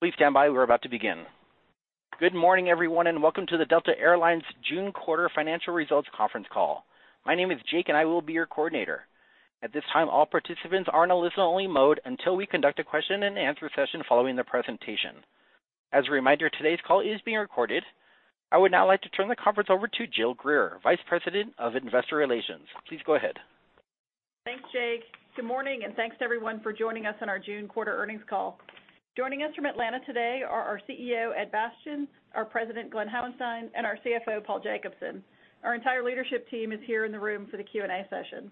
Please stand by. We're about to begin. Good morning, everyone, and welcome to the Delta Air Lines June quarter financial results conference call. My name is Jake, and I will be your coordinator. At this time, all participants are in a listen only mode until we conduct a question and answer session following the presentation. As a reminder, today's call is being recorded. I would now like to turn the conference over to Jill Greer, Vice President of Investor Relations. Please go ahead. Thanks, Jake. Good morning, thanks to everyone for joining us on our June quarter earnings call. Joining us from Atlanta today are our CEO, Ed Bastian, our President, Glen Hauenstein, and our CFO, Paul Jacobson. Our entire leadership team is here in the room for the Q&A session.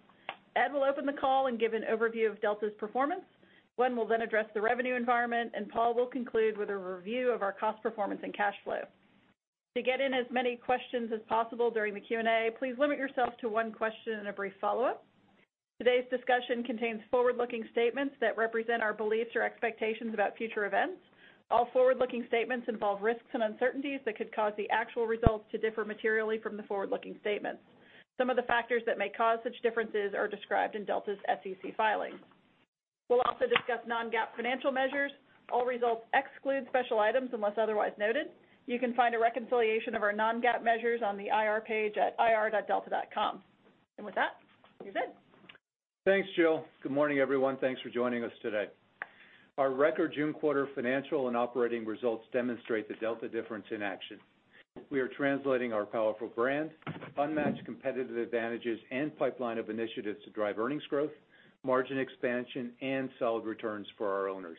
Ed will open the call and give an overview of Delta's performance. Glen will then address the revenue environment, Paul will conclude with a review of our cost performance and cash flow. To get in as many questions as possible during the Q&A, please limit yourself to one question and a brief follow-up. Today's discussion contains forward-looking statements that represent our beliefs or expectations about future events. All forward-looking statements involve risks and uncertainties that could cause the actual results to differ materially from the forward-looking statements. Some of the factors that may cause such differences are described in Delta's SEC filings. We'll also discuss non-GAAP financial measures. All results exclude special items unless otherwise noted. You can find a reconciliation of our non-GAAP measures on the IR page at ir.delta.com. With that, you're good. Thanks, Jill. Good morning, everyone. Thanks for joining us today. Our record June quarter financial and operating results demonstrate the Delta difference in action. We are translating our powerful brand, unmatched competitive advantages, pipeline of initiatives to drive earnings growth, margin expansion, and solid returns for our owners.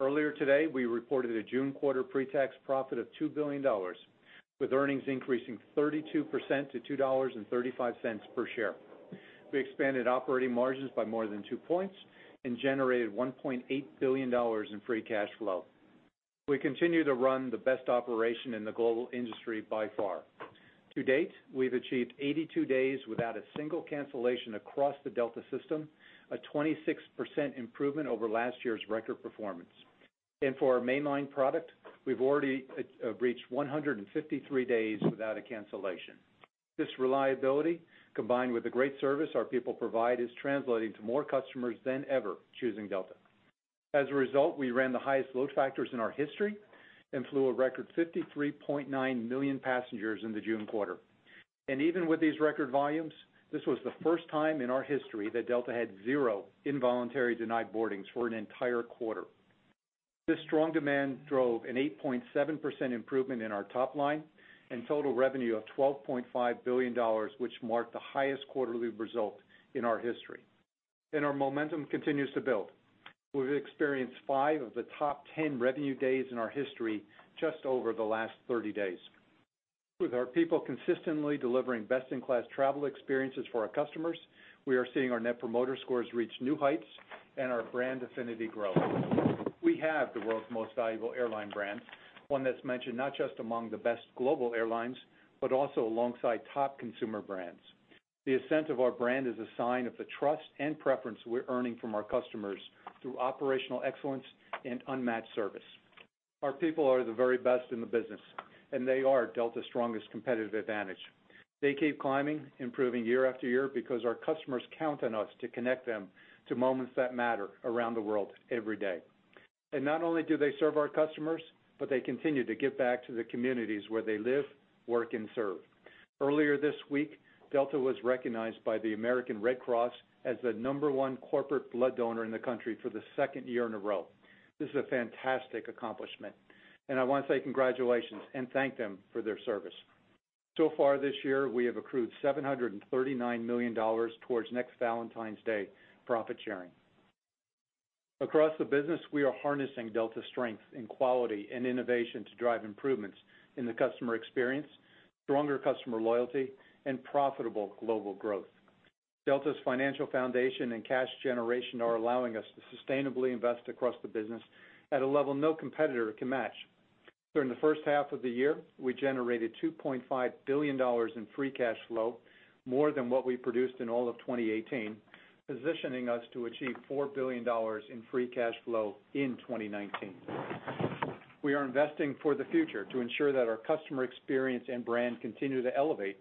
Earlier today, we reported a June quarter pre-tax profit of $2 billion, with earnings increasing 32% to $2.35 per share. We expanded operating margins by more than two points and generated $1.8 billion in free cash flow. We continue to run the best operation in the global industry by far. To date, we've achieved 82 days without a single cancellation across the Delta system, a 26% improvement over last year's record performance. For our mainline product, we've already reached 153 days without a cancellation. This reliability, combined with the great service our people provide, is translating to more customers than ever choosing Delta. As a result, we ran the highest load factors in our history and flew a record 53.9 million passengers in the June quarter. Even with these record volumes, this was the first time in our history that Delta had zero involuntary denied boardings for an entire quarter. This strong demand drove an 8.7% improvement in our top line and total revenue of $12.5 billion, which marked the highest quarterly result in our history. Our momentum continues to build. We've experienced five of the top 10 revenue days in our history just over the last 30 days. With our people consistently delivering best-in-class travel experiences for our customers, we are seeing our Net Promoter Scores reach new heights and our brand affinity grow. We have the world's most valuable airline brand, one that's mentioned not just among the best global airlines, but also alongside top consumer brands. The ascent of our brand is a sign of the trust and preference we're earning from our customers through operational excellence and unmatched service. Our people are the very best in the business, and they are Delta's strongest competitive advantage. They keep climbing, improving year after year because our customers count on us to connect them to moments that matter around the world every day. Not only do they serve our customers, but they continue to give back to the communities where they live, work, and serve. Earlier this week, Delta was recognized by the American Red Cross as the number one corporate blood donor in the country for the second year in a row. This is a fantastic accomplishment, and I want to say congratulations and thank them for their service. So far this year, we have accrued $739 million towards next Valentine's Day profit sharing. Across the business, we are harnessing Delta's strength in quality and innovation to drive improvements in the customer experience, stronger customer loyalty, and profitable global growth. Delta's financial foundation and cash generation are allowing us to sustainably invest across the business at a level no competitor can match. During the first half of the year, we generated $2.5 billion in free cash flow, more than what we produced in all of 2018, positioning us to achieve $4 billion in free cash flow in 2019. We are investing for the future to ensure that our customer experience and brand continue to elevate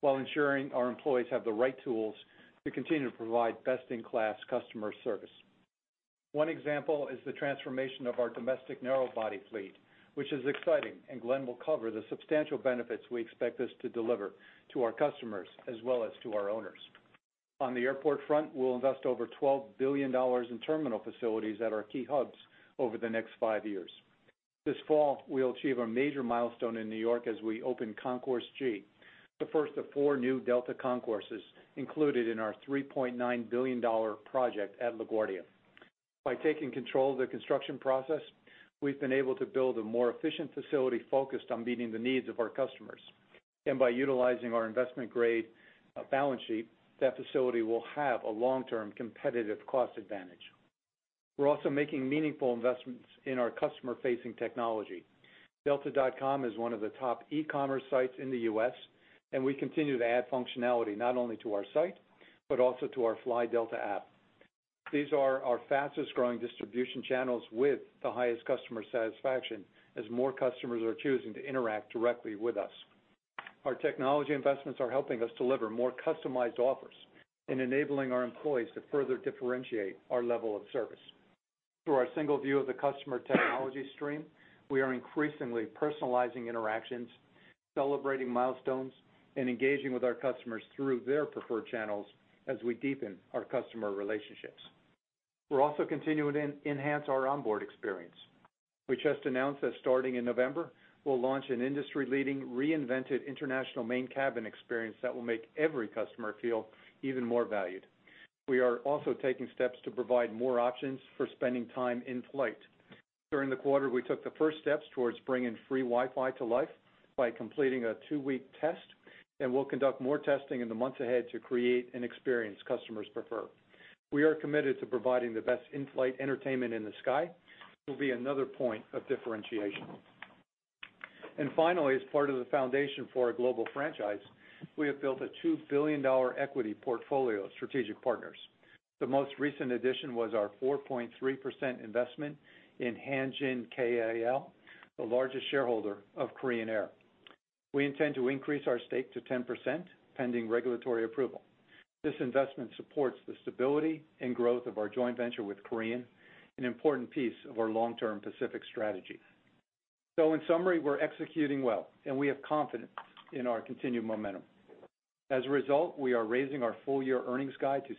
while ensuring our employees have the right tools to continue to provide best-in-class customer service. One example is the transformation of our domestic narrow-body fleet, which is exciting, and Glen will cover the substantial benefits we expect this to deliver to our customers as well as to our owners. On the airport front, we'll invest over $12 billion in terminal facilities at our key hubs over the next five years. This fall, we'll achieve a major milestone in New York as we open Concourse G, the first of four new Delta concourses included in our $3.9 billion project at LaGuardia. By taking control of the construction process, we've been able to build a more efficient facility focused on meeting the needs of our customers. By utilizing our investment-grade balance sheet, that facility will have a long-term competitive cost advantage. We're also making meaningful investments in our customer-facing technology. Delta.com is one of the top e-commerce sites in the U.S., and we continue to add functionality not only to our site, but also to our Fly Delta app. These are our fastest-growing distribution channels with the highest customer satisfaction as more customers are choosing to interact directly with us. Our technology investments are helping us deliver more customized offers and enabling our employees to further differentiate our level of service. Through our single view of the customer technology stream, we are increasingly personalizing interactions, celebrating milestones, and engaging with our customers through their preferred channels as we deepen our customer relationships. We're also continuing to enhance our onboard experience. We just announced that starting in November, we'll launch an industry-leading reinvented international main cabin experience that will make every customer feel even more valued. We are also taking steps to provide more options for spending time in flight. During the quarter, we took the first steps towards bringing free Wi-Fi to life by completing a two-week test, and we'll conduct more testing in the months ahead to create an experience customers prefer. We are committed to providing the best in-flight entertainment in the sky. It will be another point of differentiation. Finally, as part of the foundation for our global franchise, we have built a $2 billion equity portfolio of strategic partners. The most recent addition was our 4.3% investment in Hanjin KAL, the largest shareholder of Korean Air. We intend to increase our stake to 10%, pending regulatory approval. This investment supports the stability and growth of our joint venture with Korean, an important piece of our long-term Pacific strategy. In summary, we're executing well, and we have confidence in our continued momentum. As a result, we are raising our full-year earnings guide to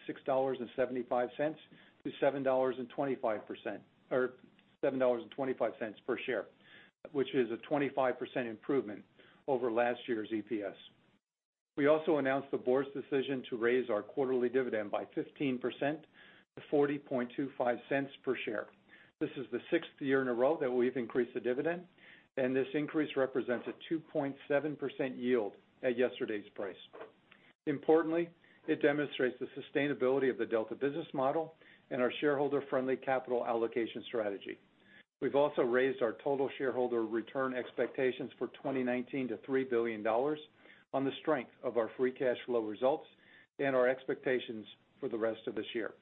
$6.75-$7.25 per share, which is a 25% improvement over last year's EPS. We also announced the board's decision to raise our quarterly dividend by 15% to $0.4025 per share. This is the sixth year in a row that we've increased the dividend, and this increase represents a 2.7% yield at yesterday's price. Importantly, it demonstrates the sustainability of the Delta business model and our shareholder-friendly capital allocation strategy. We've also raised our total shareholder return expectations for 2019 to $3 billion on the strength of our free cash flow results and our expectations for the rest of this year.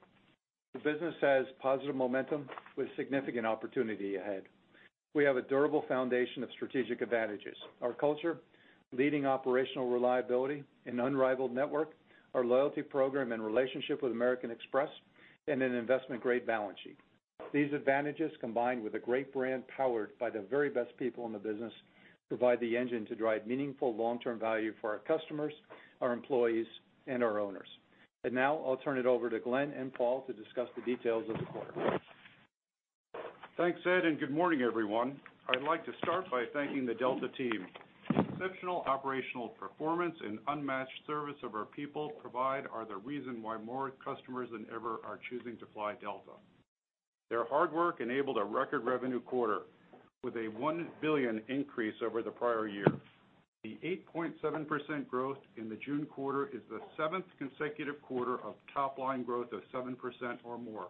The business has positive momentum with significant opportunity ahead. We have a durable foundation of strategic advantages. Our culture, leading operational reliability, an unrivaled network, our loyalty program and relationship with American Express, and an investment-grade balance sheet. These advantages, combined with a great brand powered by the very best people in the business, provide the engine to drive meaningful long-term value for our customers, our employees, and our owners. Now I'll turn it over to Glen and Paul to discuss the details of the quarter. Thanks, Ed, good morning, everyone. I'd like to start by thanking the Delta team. The exceptional operational performance and unmatched service of our people provide are the reason why more customers than ever are choosing to fly Delta. Their hard work enabled a record revenue quarter with a $1 billion increase over the prior year. The 8.7% growth in the June quarter is the seventh consecutive quarter of top-line growth of 7% or more,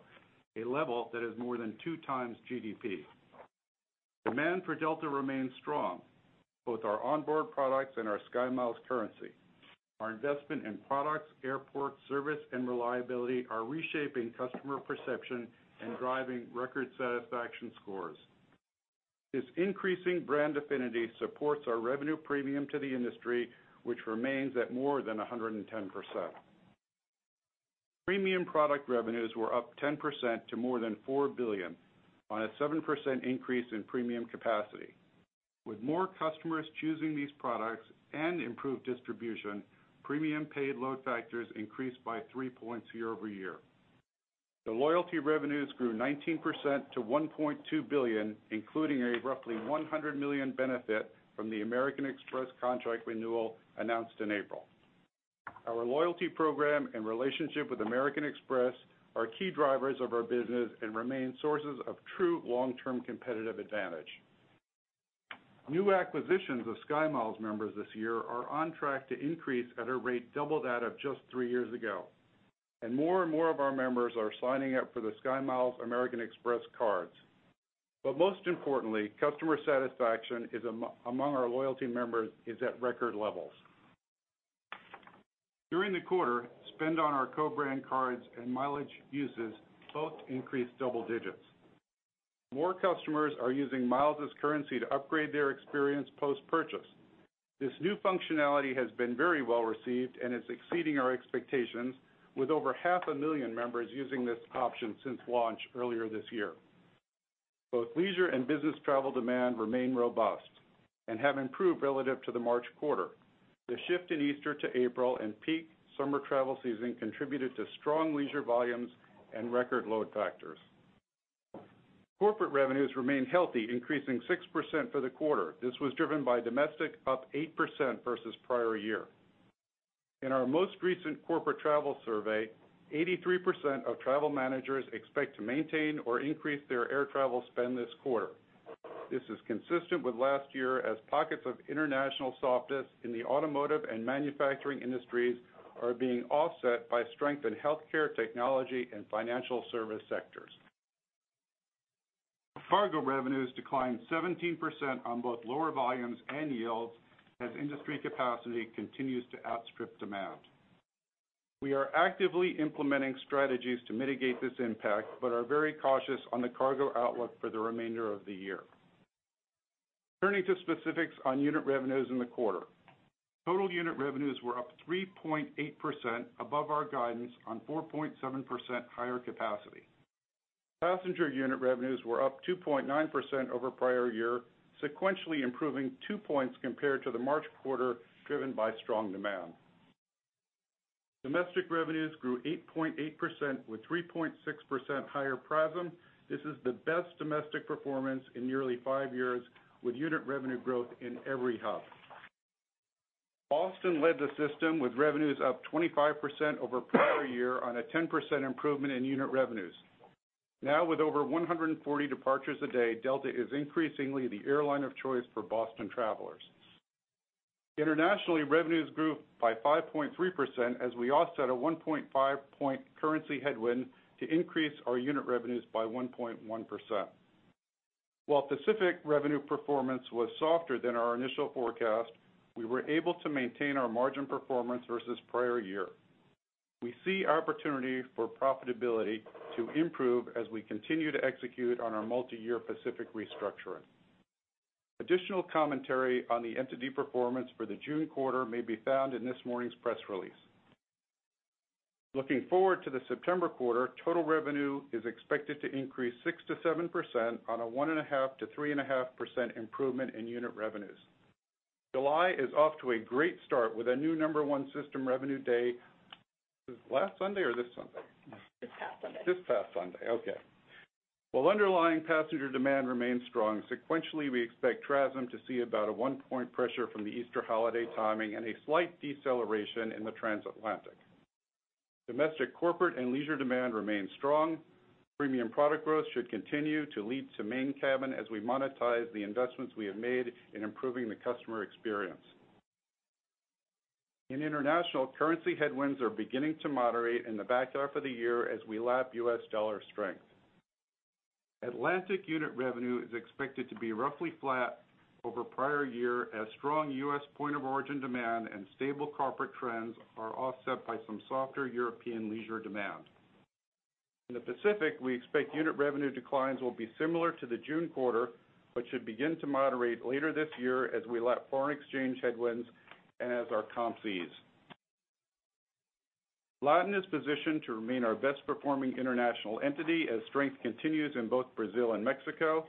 a level that is more than two times GDP. Demand for Delta remains strong, both our onboard products and our SkyMiles currency. Our investment in products, airport service, and reliability are reshaping customer perception and driving record satisfaction scores. This increasing brand affinity supports our revenue premium to the industry, which remains at more than 110%. Premium product revenues were up 10% to more than $4 billion on a 7% increase in premium capacity. With more customers choosing these products and improved distribution, premium paid load factors increased by three points YoY. Loyalty revenues grew 19% to $1.2 billion, including a roughly $100 million benefit from the American Express contract renewal announced in April. Our loyalty program and relationship with American Express are key drivers of our business and remain sources of true long-term competitive advantage. New acquisitions of SkyMiles members this year are on track to increase at a rate double that of just three years ago. More and more of our members are signing up for the SkyMiles American Express cards. Most importantly, customer satisfaction among our loyalty members is at record levels. During the quarter, spend on our co-brand cards and mileage uses both increased double digits. More customers are using miles as currency to upgrade their experience post-purchase. This new functionality has been very well received and is exceeding our expectations with over half a million members using this option since launch earlier this year. Both leisure and business travel demand remain robust and have improved relative to the March quarter. The shift in Easter to April and peak summer travel season contributed to strong leisure volumes and record load factors. Corporate revenues remained healthy, increasing 6% for the quarter. This was driven by domestic, up 8% versus prior year. In our most recent corporate travel survey, 83% of travel managers expect to maintain or increase their air travel spend this quarter. This is consistent with last year as pockets of international softness in the automotive and manufacturing industries are being offset by strength in healthcare, technology, and financial service sectors. Cargo revenues declined 17% on both lower volumes and yields as industry capacity continues to outstrip demand. We are actively implementing strategies to mitigate this impact, but are very cautious on the cargo outlook for the remainder of the year. Turning to specifics on unit revenues in the quarter. Total unit revenues were up 3.8% above our guidance on 4.7% higher capacity. Passenger unit revenues were up 2.9% over prior year, sequentially improving two points compared to the March quarter, driven by strong demand. Domestic revenues grew 8.8% with 3.6% higher PRASM. This is the best domestic performance in nearly five years, with unit revenue growth in every hub. Boston led the system with revenues up 25% over prior year on a 10% improvement in unit revenues. With over 140 departures a day, Delta is increasingly the airline of choice for Boston travelers. Internationally, revenues grew by 5.3% as we offset a 1.5 point currency headwind to increase our unit revenues by 1.1%. While Pacific revenue performance was softer than our initial forecast, we were able to maintain our margin performance versus prior year. We see opportunity for profitability to improve as we continue to execute on our multi-year Pacific restructuring. Additional commentary on the entity performance for the June quarter may be found in this morning's press release. Looking forward to the September quarter, total revenue is expected to increase 6%-7% on a 1.5%-3.5% improvement in unit revenues. July is off to a great start with a new number one system revenue day. Was it last Sunday or this Sunday? This past Sunday. This past Sunday. Okay. While underlying passenger demand remains strong, sequentially, we expect TRASM to see about a one point pressure from the Easter holiday timing and a slight deceleration in the transatlantic. Domestic corporate and leisure demand remains strong. Premium product growth should continue to lead to main cabin as we monetize the investments we have made in improving the customer experience. In international, currency headwinds are beginning to moderate in the back half of the year as we lap U.S. dollar strength. Atlantic unit revenue is expected to be roughly flat over prior year as strong U.S. point of origin demand and stable corporate trends are offset by some softer European leisure demand. In the Pacific, we expect unit revenue declines will be similar to the June quarter, but should begin to moderate later this year as we lap foreign exchange headwinds and as our comps ease. Latin is positioned to remain our best performing international entity as strength continues in both Brazil and Mexico.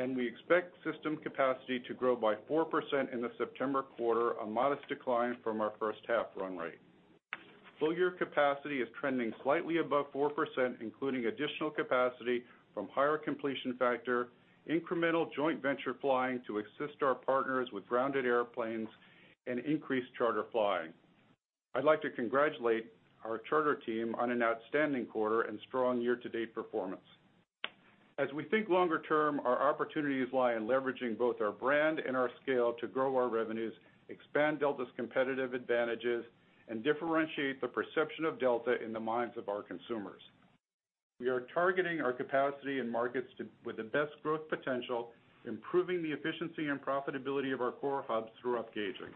We expect system capacity to grow by 4% in the September quarter, a modest decline from our first half run rate. Full year capacity is trending slightly above 4%, including additional capacity from higher completion factor, incremental joint venture flying to assist our partners with grounded airplanes and increased charter flying. I'd like to congratulate our charter team on an outstanding quarter and strong year-to-date performance. As we think longer term, our opportunities lie in leveraging both our brand and our scale to grow our revenues, expand Delta's competitive advantages, and differentiate the perception of Delta in the minds of our consumers. We are targeting our capacity in markets with the best growth potential, improving the efficiency and profitability of our core hubs through upgauging.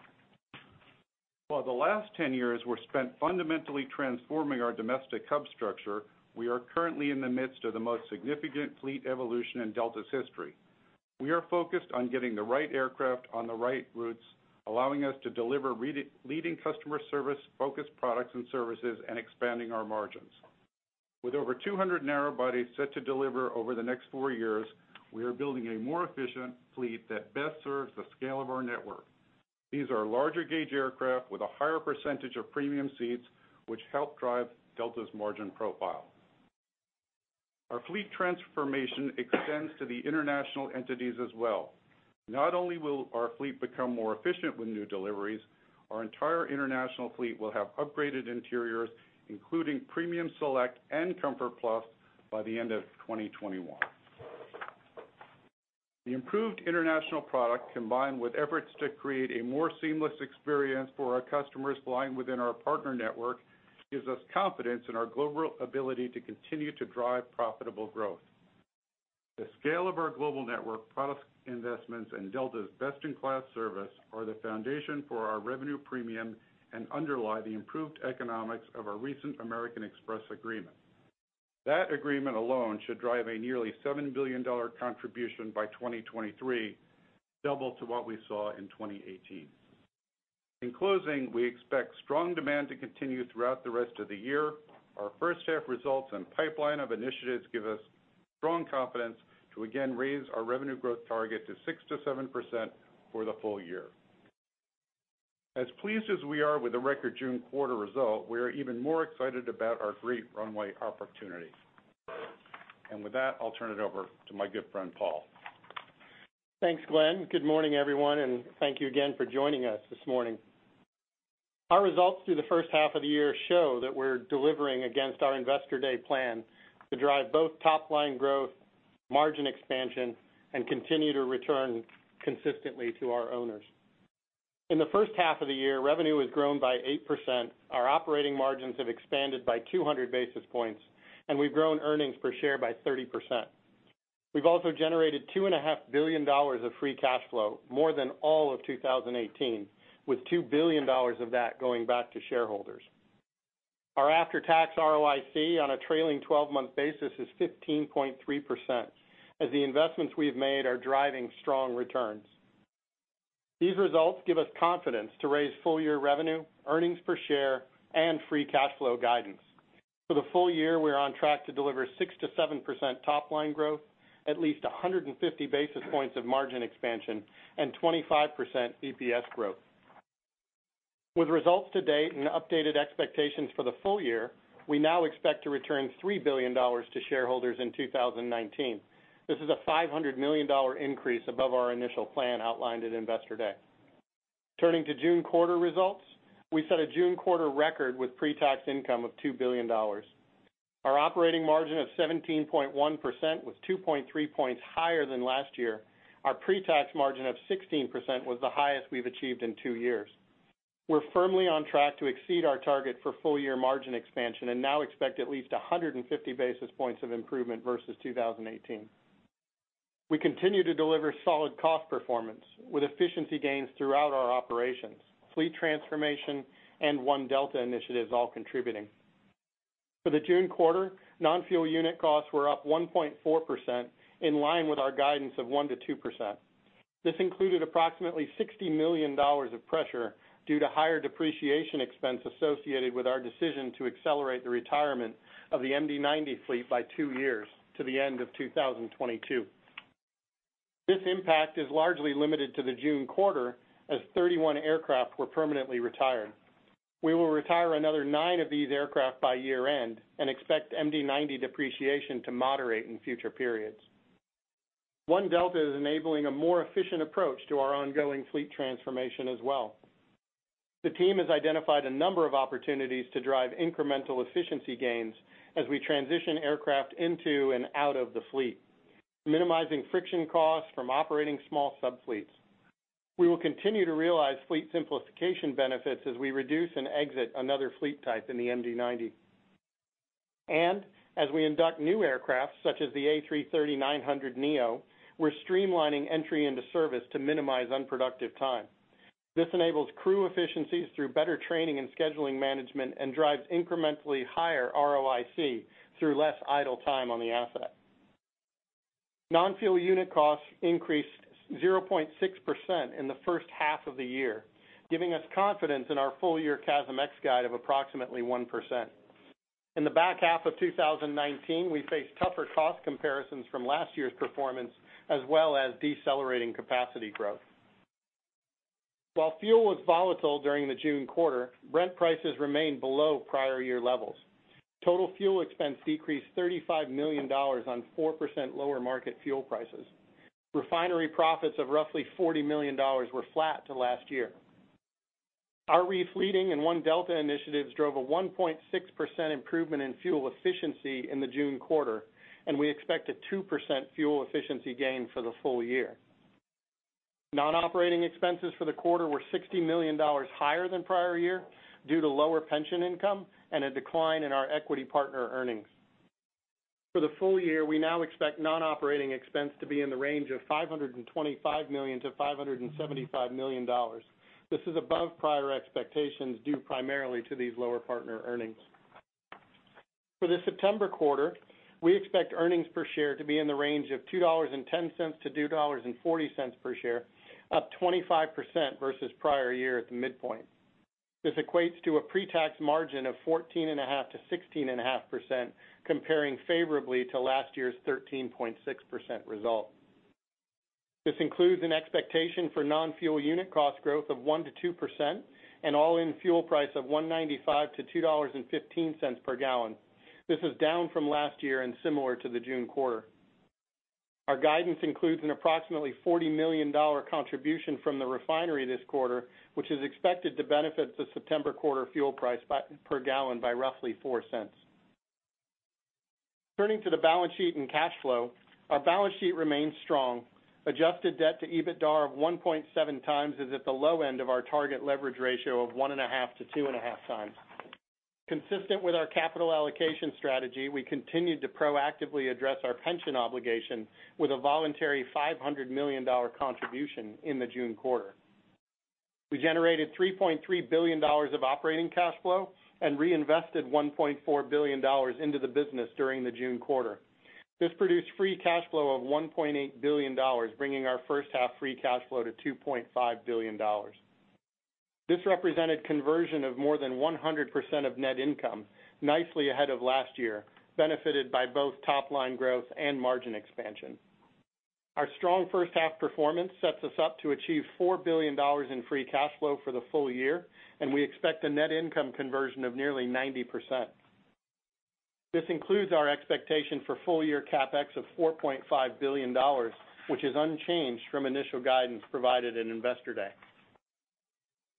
While the last 10 years were spent fundamentally transforming our domestic hub structure, we are currently in the midst of the most significant fleet evolution in Delta's history. We are focused on getting the right aircraft on the right routes, allowing us to deliver leading customer service, focused products and services, and expanding our margins. With over 200 narrow bodies set to deliver over the next four years, we are building a more efficient fleet that best serves the scale of our network. These are larger gauge aircraft with a higher percentage of premium seats, which help drive Delta's margin profile. Our fleet transformation extends to the international entities as well. Not only will our fleet become more efficient with new deliveries, our entire international fleet will have upgraded interiors, including Premium Select and Comfort+ by the end of 2021. The improved international product, combined with efforts to create a more seamless experience for our customers flying within our partner network, gives us confidence in our global ability to continue to drive profitable growth. The scale of our global network, product investments, and Delta's best in class service are the foundation for our revenue premium and underlie the improved economics of our recent American Express agreement. That agreement alone should drive a nearly $7 billion contribution by 2023, double to what we saw in 2018. In closing, we expect strong demand to continue throughout the rest of the year. Our first half results and pipeline of initiatives give us strong confidence to again raise our revenue growth target to 6%-7% for the full year. As pleased as we are with the record June quarter result, we are even more excited about our great runway opportunities. With that, I'll turn it over to my good friend Paul. Thanks, Glen. Good morning, everyone, and thank you again for joining us this morning. Our results through the first half of the year show that we're delivering against our Investor Day plan to drive both top-line growth, margin expansion, and continue to return consistently to our owners. In the first half of the year, revenue has grown by 8%, our operating margins have expanded by 200 basis points, and we've grown earnings per share by 30%. We've also generated $2.5 billion of free cash flow, more than all of 2018, with $2 billion of that going back to shareholders. Our after-tax ROIC on a trailing 12-month basis is 15.3%, as the investments we've made are driving strong returns. These results give us confidence to raise full-year revenue, earnings per share, and free cash flow guidance. For the full year, we are on track to deliver 6%-7% top-line growth, at least 150 basis points of margin expansion, and 25% EPS growth. With results to date and updated expectations for the full year, we now expect to return $3 billion to shareholders in 2019. This is a $500 million increase above our initial plan outlined at Investor Day. Turning to June quarter results, we set a June quarter record with pre-tax income of $2 billion. Our operating margin of 17.1% was 2.3 points higher than last year. Our pre-tax margin of 16% was the highest we've achieved in two years. We're firmly on track to exceed our target for full-year margin expansion and now expect at least 150 basis points of improvement versus 2018. We continue to deliver solid cost performance, with efficiency gains throughout our operations. Fleet transformation and One Delta initiatives all contributing. For the June quarter, non-fuel unit costs were up 1.4%, in line with our guidance of 1%-2%. This included approximately $60 million of pressure due to higher depreciation expense associated with our decision to accelerate the retirement of the MD-90 fleet by two years to the end of 2022. This impact is largely limited to the June quarter, as 31 aircraft were permanently retired. We will retire another nine of these aircraft by year-end and expect MD-90 depreciation to moderate in future periods. One Delta is enabling a more efficient approach to our ongoing fleet transformation as well. The team has identified a number of opportunities to drive incremental efficiency gains as we transition aircraft into and out of the fleet, minimizing friction costs from operating small sub-fleets. We will continue to realize fleet simplification benefits as we reduce and exit another fleet type in the MD-90. As we induct new aircraft, such as the A330-900neo, we're streamlining entry into service to minimize unproductive time. This enables crew efficiencies through better training and scheduling management and drives incrementally higher ROIC through less idle time on the asset. Non-fuel unit costs increased 0.6% in the first half of the year, giving us confidence in our full-year CASM-ex guide of approximately 1%. In the back half of 2019, we face tougher cost comparisons from last year's performance, as well as decelerating capacity growth. While fuel was volatile during the June quarter, Brent prices remained below prior year levels. Total fuel expense decreased $35 million on 4% lower market fuel prices. Refinery profits of roughly $40 million were flat to last year. Our refleeting and One Delta initiatives drove a 1.6% improvement in fuel efficiency in the June quarter. We expect a 2% fuel efficiency gain for the full year. Non-operating expenses for the quarter were $60 million higher than prior year due to lower pension income and a decline in our equity partner earnings. For the full year, we now expect non-operating expense to be in the range of $525 million to $575 million. This is above prior expectations, due primarily to these lower partner earnings. For the September quarter, we expect earnings per share to be in the range of $2.10-$2.40 per share, up 25% versus prior year at the midpoint. This equates to a pre-tax margin of 14.5%-16.5%, comparing favorably to last year's 13.6% result. This includes an expectation for non-fuel unit cost growth of 1%-2% and all-in fuel price of $1.95-$2.15 per gallon. This is down from last year and similar to the June quarter. Our guidance includes an approximately $40 million contribution from the refinery this quarter, which is expected to benefit the September quarter fuel price per gallon by roughly $0.04. Turning to the balance sheet and cash flow, our balance sheet remains strong. Adjusted debt to EBITDA of 1.7x is at the low end of our target leverage ratio of 1.5-2.5 times. Consistent with our capital allocation strategy, we continued to proactively address our pension obligation with a voluntary $500 million contribution in the June quarter. We generated $3.3 billion of operating cash flow and reinvested $1.4 billion into the business during the June quarter. This produced free cash flow of $1.8 billion, bringing our first-half free cash flow to $2.5 billion. This represented conversion of more than 100% of net income, nicely ahead of last year, benefited by both top-line growth and margin expansion. Our strong first half performance sets us up to achieve $4 billion in free cash flow for the full year, and we expect a net income conversion of nearly 90%. This includes our expectation for full-year CapEx of $4.5 billion, which is unchanged from initial guidance provided at Investor Day.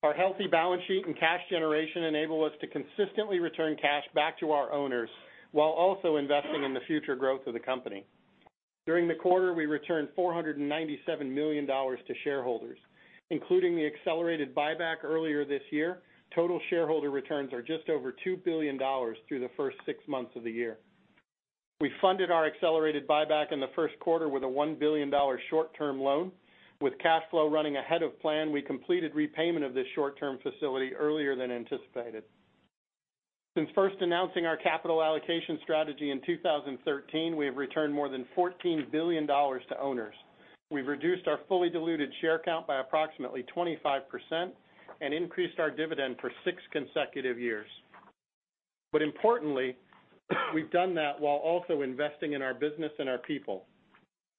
Our healthy balance sheet and cash generation enable us to consistently return cash back to our owners while also investing in the future growth of the company. During the quarter, we returned $497 million to shareholders, including the accelerated buyback earlier this year. Total shareholder returns are just over $2 billion through the first six months of the year. We funded our accelerated buyback in the first quarter with a $1 billion short-term loan. With cash flow running ahead of plan, we completed repayment of this short-term facility earlier than anticipated. Since first announcing our capital allocation strategy in 2013, we have returned more than $14 billion to owners. We've reduced our fully diluted share count by approximately 25% and increased our dividend for six consecutive years. Importantly, we've done that while also investing in our business and our people.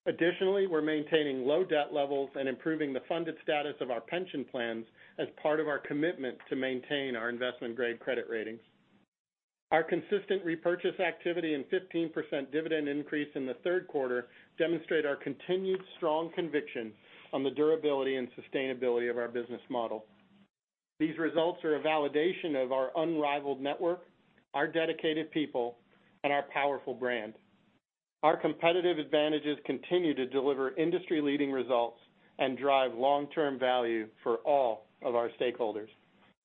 Additionally, we're maintaining low debt levels and improving the funded status of our pension plans as part of our commitment to maintain our investment-grade credit ratings. Our consistent repurchase activity and 15% dividend increase in the third quarter demonstrate our continued strong conviction on the durability and sustainability of our business model. These results are a validation of our unrivaled network, our dedicated people, and our powerful brand. Our competitive advantages continue to deliver industry-leading results and drive long-term value for all of our stakeholders.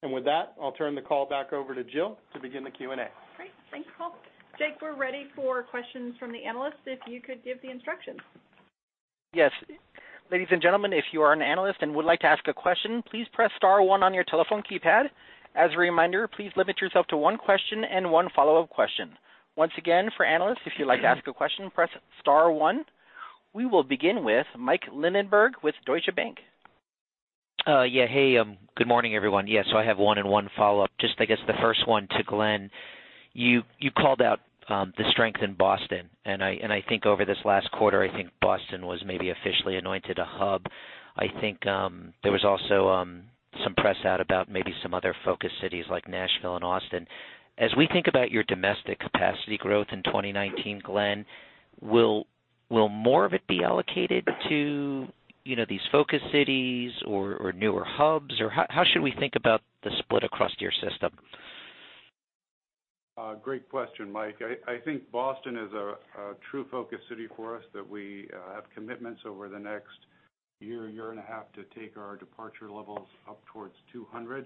With that, I'll turn the call back over to Jill to begin the Q&A. Great. Thank you, Paul. Jake, we're ready for questions from the analysts, if you could give the instructions. Yes. Ladies and gentlemen, if you are an analyst and would like to ask a question, please press star one on your telephone keypad. As a reminder, please limit yourself to one question and one follow-up question. Once again, for analysts, if you'd like to ask a question, press star one. We will begin with Michael Linenberg with Deutsche Bank. Yeah. Hey, good morning, everyone. I have one and one follow-up. Just I guess the first one to Glen. You called out the strength in Boston, and I think over this last quarter, I think Boston was maybe officially anointed a hub. I think there was also some press out about maybe some other focus cities like Nashville and Austin. As we think about your domestic capacity growth in 2019, Glen, will more of it be allocated to these focus cities or newer hubs? How should we think about the split across your system? Great question, Mike. I think Boston is a true focus city for us that we have commitments over the next year and a half to take our departure levels up towards 200.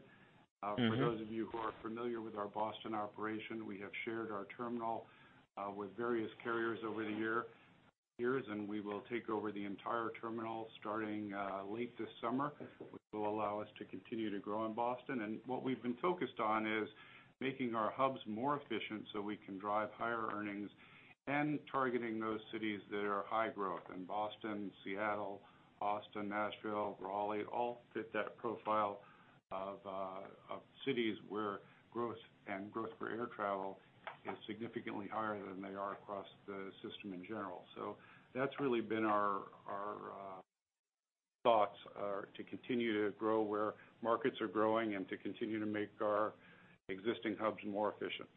For those of you who are familiar with our Boston operation, we have shared our terminal with various carriers over the years. We will take over the entire terminal starting late this summer, which will allow us to continue to grow in Boston. What we've been focused on is making our hubs more efficient so we can drive higher earnings and targeting those cities that are high growth. Boston, Seattle, Austin, Nashville, Raleigh, all fit that profile of cities where growth and growth for air travel is significantly higher than they are across the system in general. That's really been our thoughts, are to continue to grow where markets are growing and to continue to make our existing hubs more efficient.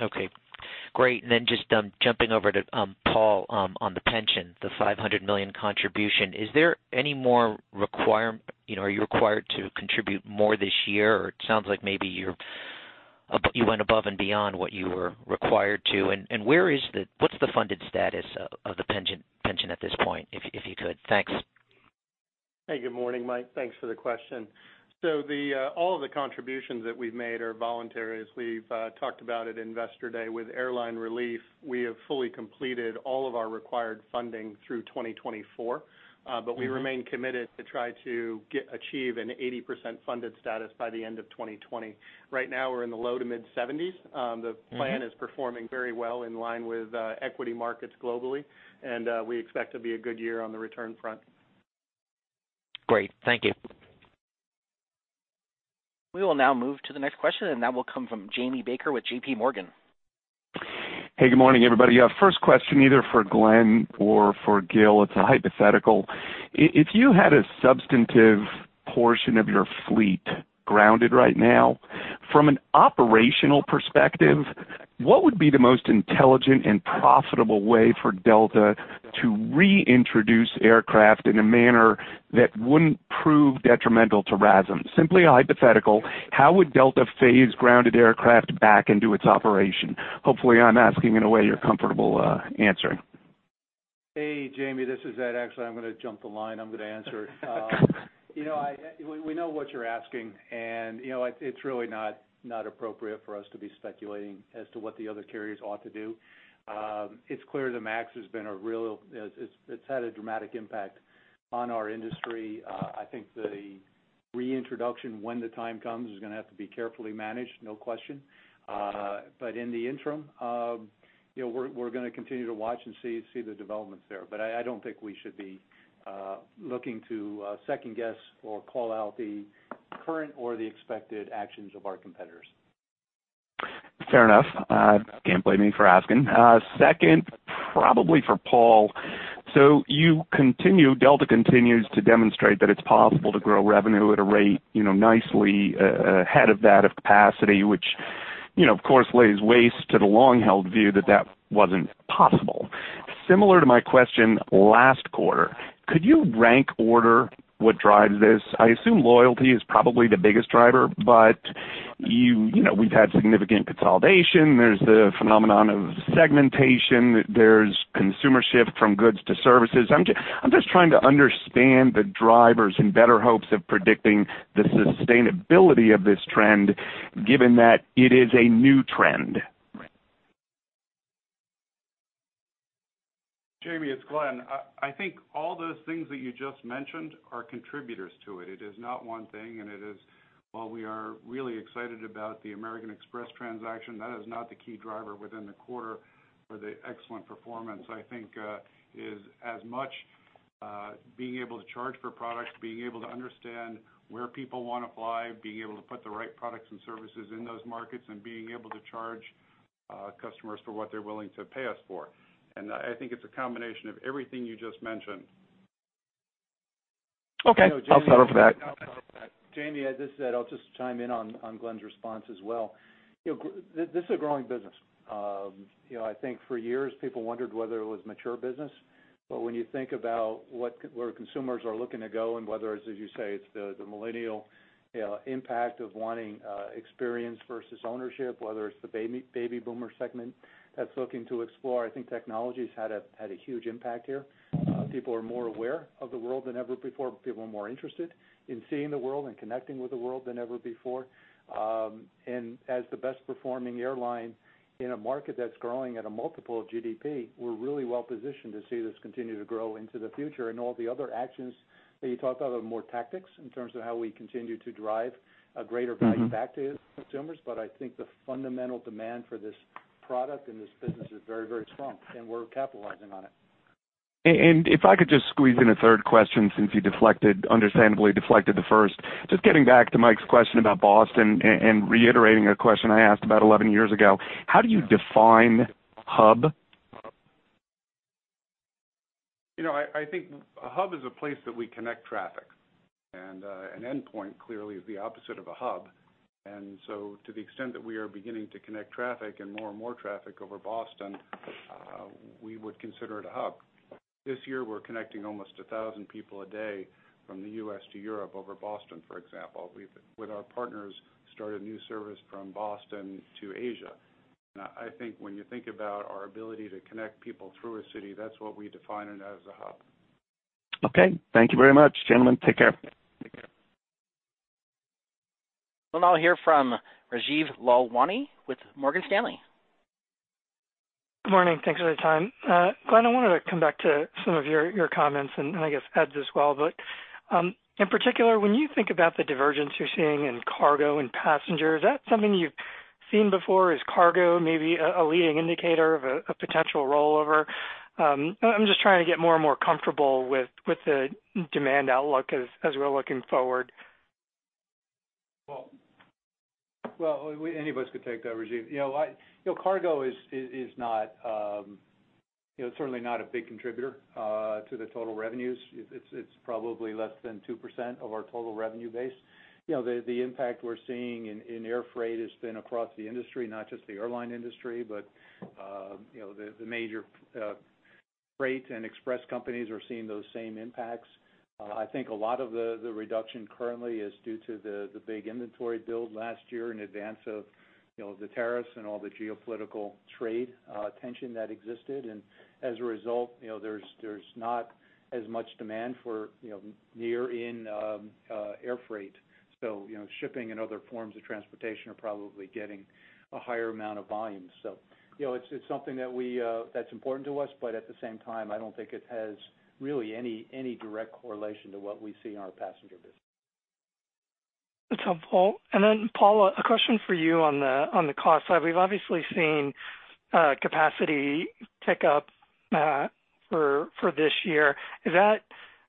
Okay, great. Just jumping over to Paul on the pension, the $500 million contribution. Are you required to contribute more this year, or it sounds like maybe you went above and beyond what you were required to, and what's the funded status of the pension at this point, if you could? Thanks. Hey, good morning, Mike. Thanks for the question. All of the contributions that we've made are voluntary, as we've talked about at Investor Day. With airline relief, we have fully completed all of our required funding through 2024. We remain committed to try to achieve an 80% funded status by the end of 2020. Right now, we're in the low to mid-70s. The plan is performing very well in line with equity markets globally. We expect to be a good year on the return front. Great. Thank you. We will now move to the next question. That will come from Jamie Baker with JPMorgan. Hey, good morning, everybody. First question, either for Glen or for Gil. It's a hypothetical. If you had a substantive portion of your fleet grounded right now, from an operational perspective, what would be the most intelligent and profitable way for Delta to reintroduce aircraft in a manner that wouldn't prove detrimental to RASM? Simply a hypothetical. How would Delta phase grounded aircraft back into its operation? Hopefully, I'm asking in a way you're comfortable answering. Hey, Jamie. This is Ed. Actually, I'm going to jump the line. I'm going to answer. We know what you're asking. It's really not appropriate for us to be speculating as to what the other carriers ought to do. It's clear the MAX has had a dramatic impact on our industry. I think the reintroduction, when the time comes, is going to have to be carefully managed. No question. In the interim, we're going to continue to watch and see the developments there. I don't think we should be looking to second guess or call out the current or the expected actions of our competitors. Fair enough. Can't blame me for asking. Second, probably for Paul. Delta continues to demonstrate that it's possible to grow revenue at a rate nicely ahead of that of capacity, which of course, lays waste to the long-held view that that wasn't possible. Similar to my question last quarter, could you rank order what drives this? I assume loyalty is probably the biggest driver. We've had significant consolidation. There's the phenomenon of segmentation. There's consumer shift from goods to services. I'm just trying to understand the drivers in better hopes of predicting the sustainability of this trend, given that it is a new trend. Jamie, it's Glen. I think all those things that you just mentioned are contributors to it. It is not one thing, and it is, while we are really excited about the American Express transaction, that is not the key driver within the quarter for the excellent performance. I think is as much being able to charge for products, being able to understand where people want to fly, being able to put the right products and services in those markets, and being able to charge customers for what they're willing to pay us for. I think it's a combination of everything you just mentioned. Okay. I'll settle for that. Jamie, this is Ed. I'll just chime in on Glen's response as well. This is a growing business. I think for years people wondered whether it was mature business, but when you think about where consumers are looking to go and whether it's, as you say, it's the millennial impact of wanting experience versus ownership, whether it's the baby boomer segment that's looking to explore. I think technology's had a huge impact here. People are more aware of the world than ever before. People are more interested in seeing the world and connecting with the world than ever before. As the best-performing airline in a market that's growing at a multiple of GDP, we're really well-positioned to see this continue to grow into the future. All the other actions that you talked about are more tactics in terms of how we continue to drive a greater value back to consumers. I think the fundamental demand for this product and this business is very strong, and we're capitalizing on it. if I could just squeeze in a third question, since you understandably deflected the first. Just getting back to Mike's question about Boston and reiterating a question I asked about 11 years ago, how do you define hub? I think a hub is a place that we connect traffic, an endpoint clearly is the opposite of a hub. To the extent that we are beginning to connect traffic and more and more traffic over Boston, we would consider it a hub. This year, we're connecting almost 1,000 people a day from the U.S. to Europe over Boston, for example. With our partners, started new service from Boston to Asia. I think when you think about our ability to connect people through a city, that's what we define it as a hub. Okay. Thank you very much. Gentlemen, take care. Take care. We'll now hear from Rajeev Lalwani with Morgan Stanley. Good morning. Thanks for the time. Glen, I wanted to come back to some of your comments and I guess, Ed's as well, in particular, when you think about the divergence you're seeing in cargo and passengers, is that something you've seen before? Is cargo maybe a leading indicator of a potential rollover? I'm just trying to get more and more comfortable with the demand outlook as we're looking forward. Well, any of us could take that, Rajeev. Cargo is certainly not a big contributor to the total revenues. It's probably less than 2% of our total revenue base. The impact we're seeing in air freight has been across the industry, not just the airline industry, but the major freight and express companies are seeing those same impacts. I think a lot of the reduction currently is due to the big inventory build last year in advance of the tariffs and all the geopolitical trade tension that existed. As a result there's not as much demand for near in air freight. Shipping and other forms of transportation are probably getting a higher amount of volume. It's something that's important to us, but at the same time, I don't think it has really any direct correlation to what we see in our passenger business. That's helpful. Paul, a question for you on the cost side. We've obviously seen capacity tick up for this year. Is that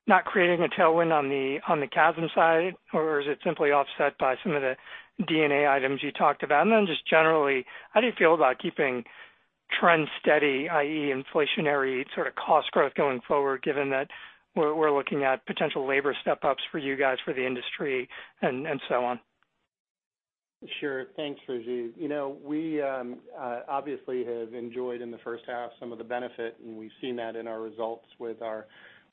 not creating a tailwind on the CASM side, or is it simply offset by some of the D&A items you talked about? Just generally, how do you feel about keeping trends steady, i.e., inflationary sort of cost growth going forward, given that we're looking at potential labor step-ups for you guys, for the industry, and so on? Sure. Thanks, Rajeev. We obviously have enjoyed in the first half some of the benefit, and we've seen that in our results with our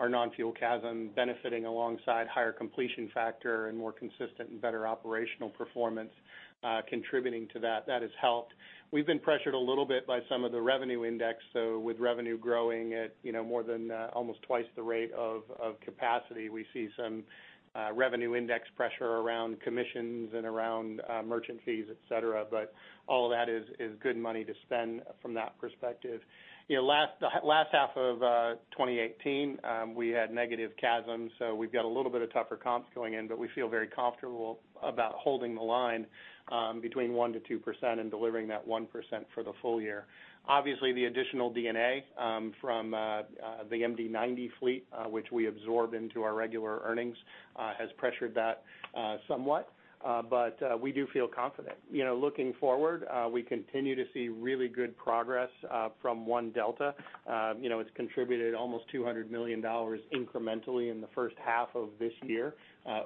non-fuel CASM benefiting alongside higher completion factor and more consistent and better operational performance contributing to that. That has helped. We've been pressured a little bit by some of the revenue index. With revenue growing at more than almost twice the rate of capacity, we see some revenue index pressure around commissions and around merchant fees, et cetera. All of that is good money to spend from that perspective. Last half of 2018, we had negative CASM, we've got a little bit of tougher comps going in, but we feel very comfortable about holding the line between 1%-2% and delivering that 1% for the full year. Obviously, the additional D&A from the MD-90 fleet, which we absorb into our regular earnings, has pressured that somewhat. We do feel confident. Looking forward, we continue to see really good progress from One Delta. It's contributed almost $200 million incrementally in the first half of this year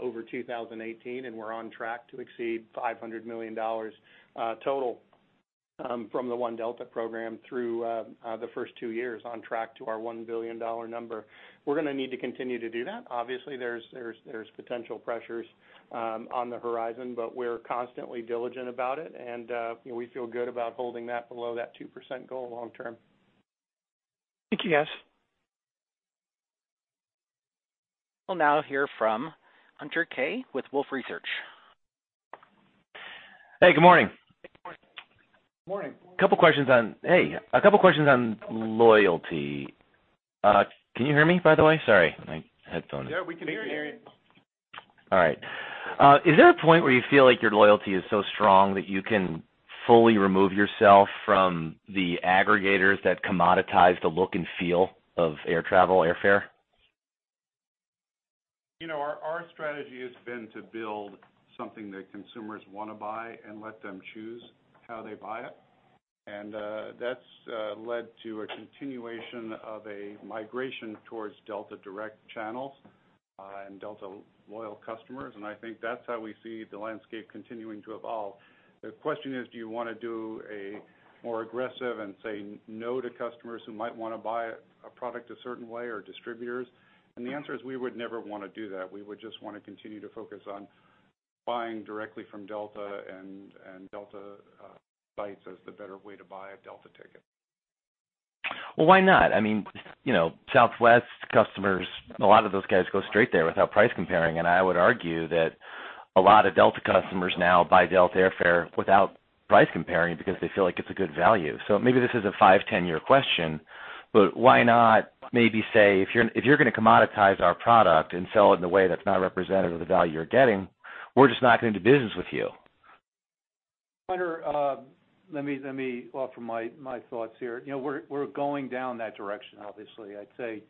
over 2018, and we're on track to exceed $500 million total from the One Delta program through the first two years on track to our $1 billion number. We're going to need to continue to do that. Obviously, there's potential pressures on the horizon, we're constantly diligent about it, and we feel good about holding that below that 2% goal long term. Thank you, guys. We'll now hear from Hunter Keay with Wolfe Research. Hey, good morning. Morning. A couple of questions on loyalty. Can you hear me, by the way? Sorry, my headphone. Yeah, we can hear you. All right. Is there a point where you feel like your loyalty is so strong that you can fully remove yourself from the aggregators that commoditize the look and feel of air travel, airfare? Our strategy has been to build something that consumers want to buy and let them choose how they buy it. That's led to a continuation of a migration towards Delta direct channels and Delta loyal customers. I think that's how we see the landscape continuing to evolve. The question is, do you want to do a more aggressive and say no to customers who might want to buy a product a certain way or distributors? The answer is we would never want to do that. We would just want to continue to focus on buying directly from Delta and Delta flights as the better way to buy a Delta ticket. Well, why not? Southwest customers, a lot of those guys go straight there without price comparing. I would argue that a lot of Delta customers now buy Delta airfare without price comparing because they feel like it's a good value. Maybe this is a five, 10-year question, but why not maybe say, "If you're going to commoditize our product and sell it in a way that's not representative of the value you're getting, we're just not going to do business with you. Hunter, let me offer my thoughts here. We're going down that direction, obviously. I'd say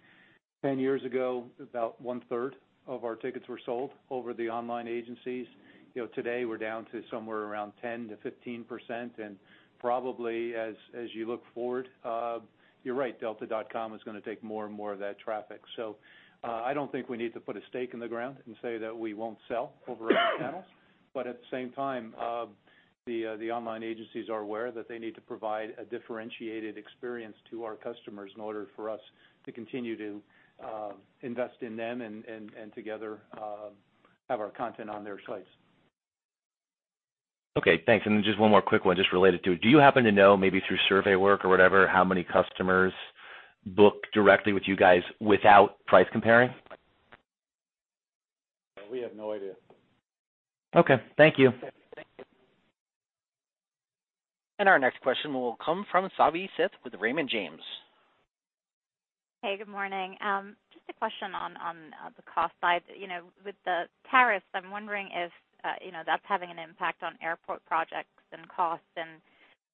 10 years ago, about 1/3 of our tickets were sold over the online agencies. Today, we're down to somewhere around 10%-15%. Probably as you look forward, you're right, delta.com is going to take more and more of that traffic. I don't think we need to put a stake in the ground and say that we won't sell over other channels. At the same time, the online agencies are aware that they need to provide a differentiated experience to our customers in order for us to continue to invest in them and together have our content on their sites. Okay, thanks. Then just one more quick one just related to it. Do you happen to know, maybe through survey work or whatever, how many customers book directly with you guys without price comparing? We have no idea. Okay. Thank you. Our next question will come from Savanthi Syth with Raymond James. Hey, good morning. Just a question on the cost side. With the tariffs, I'm wondering if that's having an impact on airport projects and costs, and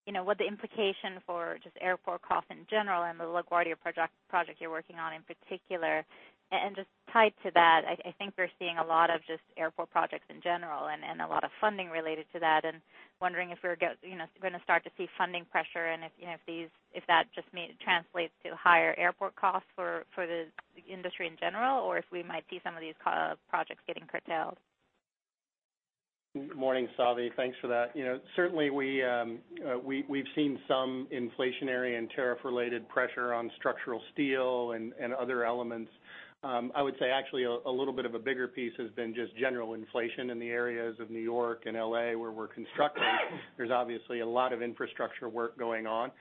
what the implication for just airport costs in general and the LaGuardia project you're working on in particular. Just tied to that, I think we're seeing a lot of just airport projects in general and a lot of funding related to that. Wondering if we're going to start to see funding pressure and if that just translates to higher airport costs for the industry in general, or if we might see some of these projects getting curtailed. Morning, Savi. Thanks for that. Certainly, we've seen some inflationary and tariff-related pressure on structural steel and other elements. I would say actually a little bit of a bigger piece has been just general inflation in the areas of New York and L.A., where we're constructing. There's obviously a lot of infrastructure work going on,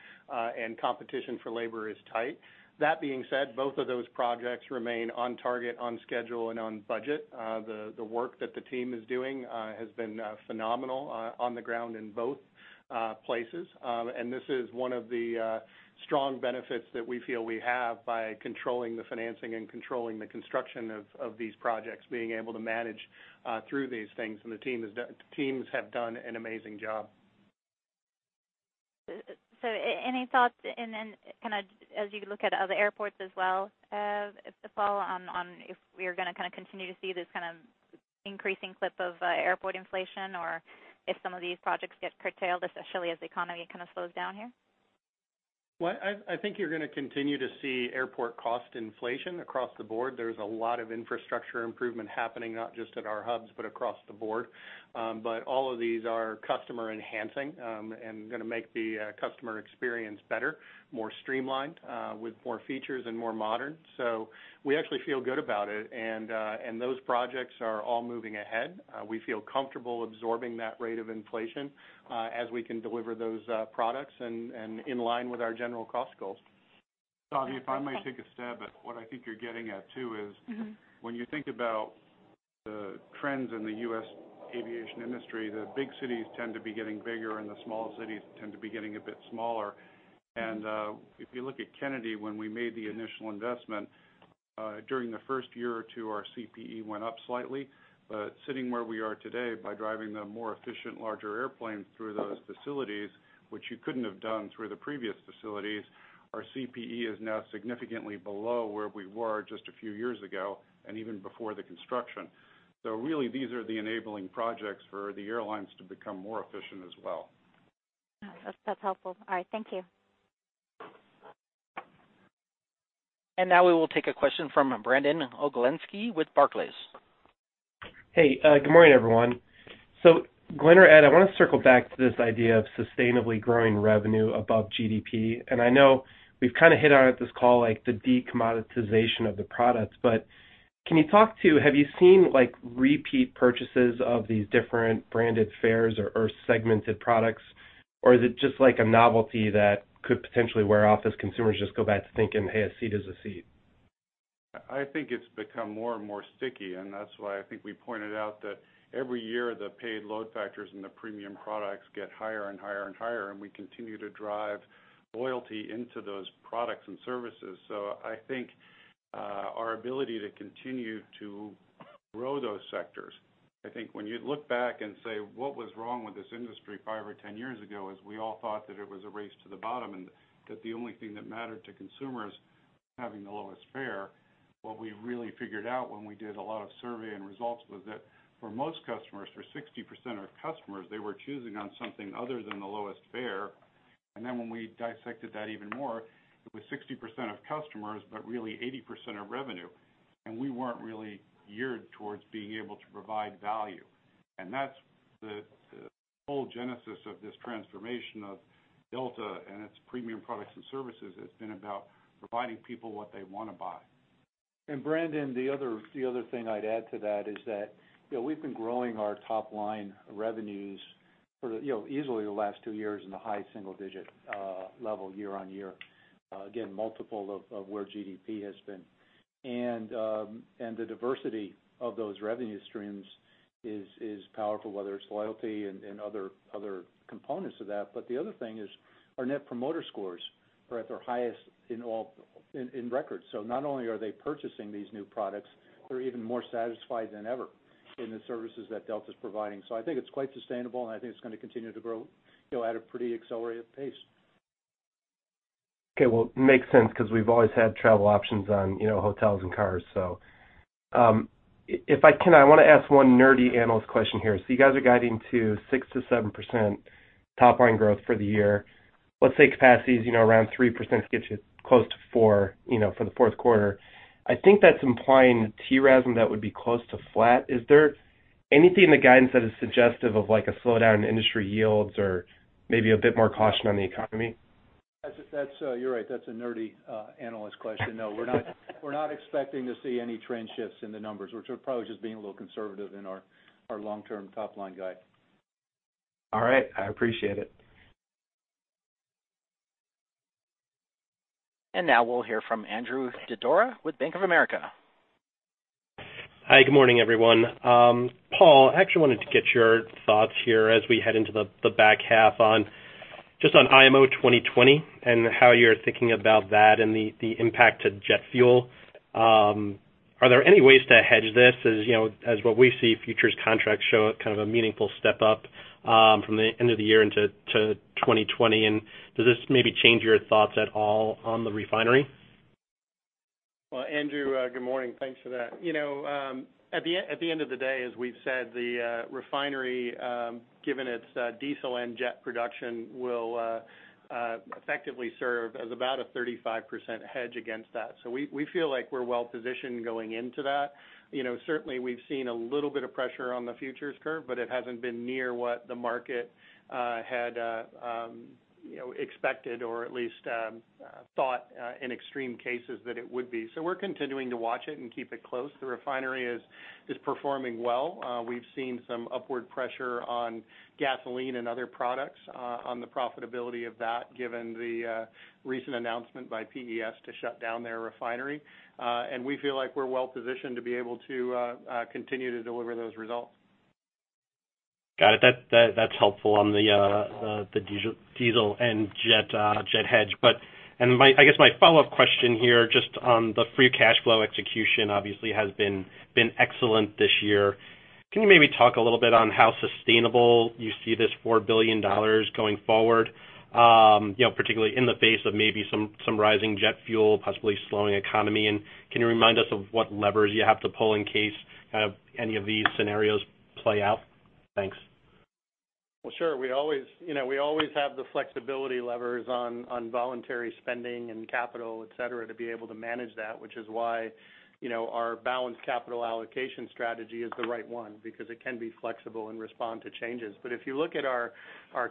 and competition for labor is tight. That being said, both of those projects remain on target, on schedule, and on budget. The work that the team is doing has been phenomenal on the ground in both places. This is one of the strong benefits that we feel we have by controlling the financing and controlling the construction of these projects, being able to manage through these things, and the teams have done an amazing job. Any thoughts and then as you look at other airports as well, if we are going to continue to see this increasing clip of airport inflation or if some of these projects get curtailed, especially as the economy slows down here? I think you're going to continue to see airport cost inflation across the board. There's a lot of infrastructure improvement happening, not just at our hubs, but across the board. All of these are customer enhancing and going to make the customer experience better, more streamlined, with more features and more modern. We actually feel good about it, and those projects are all moving ahead. We feel comfortable absorbing that rate of inflation as we can deliver those products and in line with our general cost goals. Savi, if I might take a stab at what I think you're getting at too is when you think about the trends in the U.S. aviation industry, the big cities tend to be getting bigger and the small cities tend to be getting a bit smaller. If you look at Kennedy, when we made the initial investment, during the first year or two, our CPE went up slightly. Sitting where we are today by driving the more efficient, larger airplanes through those facilities, which you couldn't have done through the previous facilities, our CPE is now significantly below where we were just a few years ago and even before the construction. Really, these are the enabling projects for the airlines to become more efficient as well. That's helpful. All right. Thank you. Now we will take a question from Brandon Oglenski with Barclays. Hey, good morning, everyone. Glen or Ed, I want to circle back to this idea of sustainably growing revenue above GDP. I know we've kind of hit on it this call, like the decommoditization of the products. Can you talk to, have you seen repeat purchases of these different branded fares or segmented products? Is it just like a novelty that could potentially wear off as consumers just go back to thinking, "Hey, a seat is a seat? I think it's become more and more sticky, and that's why I think we pointed out that every year, the paid load factors and the premium products get higher and higher and higher, and we continue to drive loyalty into those products and services. I think our ability to continue to grow those sectors. I think when you look back and say, "What was wrong with this industry five or 10 years ago?" Is we all thought that it was a race to the bottom, and that the only thing that mattered to consumers was having the lowest fare. What we really figured out when we did a lot of survey and results was that for most customers, for 60% of customers, they were choosing on something other than the lowest fare. When we dissected that even more, it was 60% of customers, but really 80% of revenue. We weren't really geared towards being able to provide value. That's the whole genesis of this transformation of Delta and its premium products and services has been about providing people what they want to buy. Brandon, the other thing I'd add to that is that we've been growing our top-line revenues for easily the last two years in the high single-digit level YoY. Again, multiple of where GDP has been. The diversity of those revenue streams is powerful, whether it's loyalty and other components of that. The other thing is our Net Promoter Scores are at their highest in record. Not only are they purchasing these new products, they're even more satisfied than ever in the services that Delta's providing. I think it's quite sustainable, and I think it's going to continue to grow at a pretty accelerated pace. Well, makes sense because we've always had travel options on hotels and cars. If I can, I want to ask one nerdy analyst question here. You guys are guiding to 6%-7% top line growth for the year. Let's say capacity is around 3% gets you close to four for the fourth quarter. I think that's implying TRASM that would be close to flat. Is there anything in the guidance that is suggestive of a slowdown in industry yields or maybe a bit more caution on the economy? You're right. That's a nerdy analyst question. No, we're not expecting to see any trend shifts in the numbers. We're probably just being a little conservative in our long-term top-line guide. All right. I appreciate it. Now we'll hear from Andrew Didora with Bank of America. Hi, good morning, everyone. Paul, I actually wanted to get your thoughts here as we head into the back half just on IMO 2020 and how you're thinking about that and the impact to jet fuel. Are there any ways to hedge this as what we see futures contracts show kind of a meaningful step up from the end of the year into 2020? Does this maybe change your thoughts at all on the refinery? Well, Andrew, good morning. Thanks for that. At the end of the day, as we've said, the refinery, given its diesel and jet production, will effectively serve as about a 35% hedge against that. We feel like we're well positioned going into that. Certainly, we've seen a little bit of pressure on the futures curve, it hasn't been near what the market had expected or at least thought in extreme cases that it would be. We're continuing to watch it and keep it close. The refinery is performing well. We've seen some upward pressure on gasoline and other products on the profitability of that, given the recent announcement by PES to shut down their refinery. We feel like we're well positioned to be able to continue to deliver those results. Got it. That's helpful on the diesel and jet hedge. I guess my follow-up question here, just on the free cash flow execution, obviously has been excellent this year. Can you maybe talk a little bit on how sustainable you see this $4 billion going forward, particularly in the face of maybe some rising jet fuel, possibly slowing economy? Can you remind us of what levers you have to pull in case any of these scenarios play out? Thanks. Well, sure. We always have the flexibility levers on voluntary spending and capital, et cetera, to be able to manage that, which is why our balanced capital allocation strategy is the right one because it can be flexible and respond to changes. If you look at our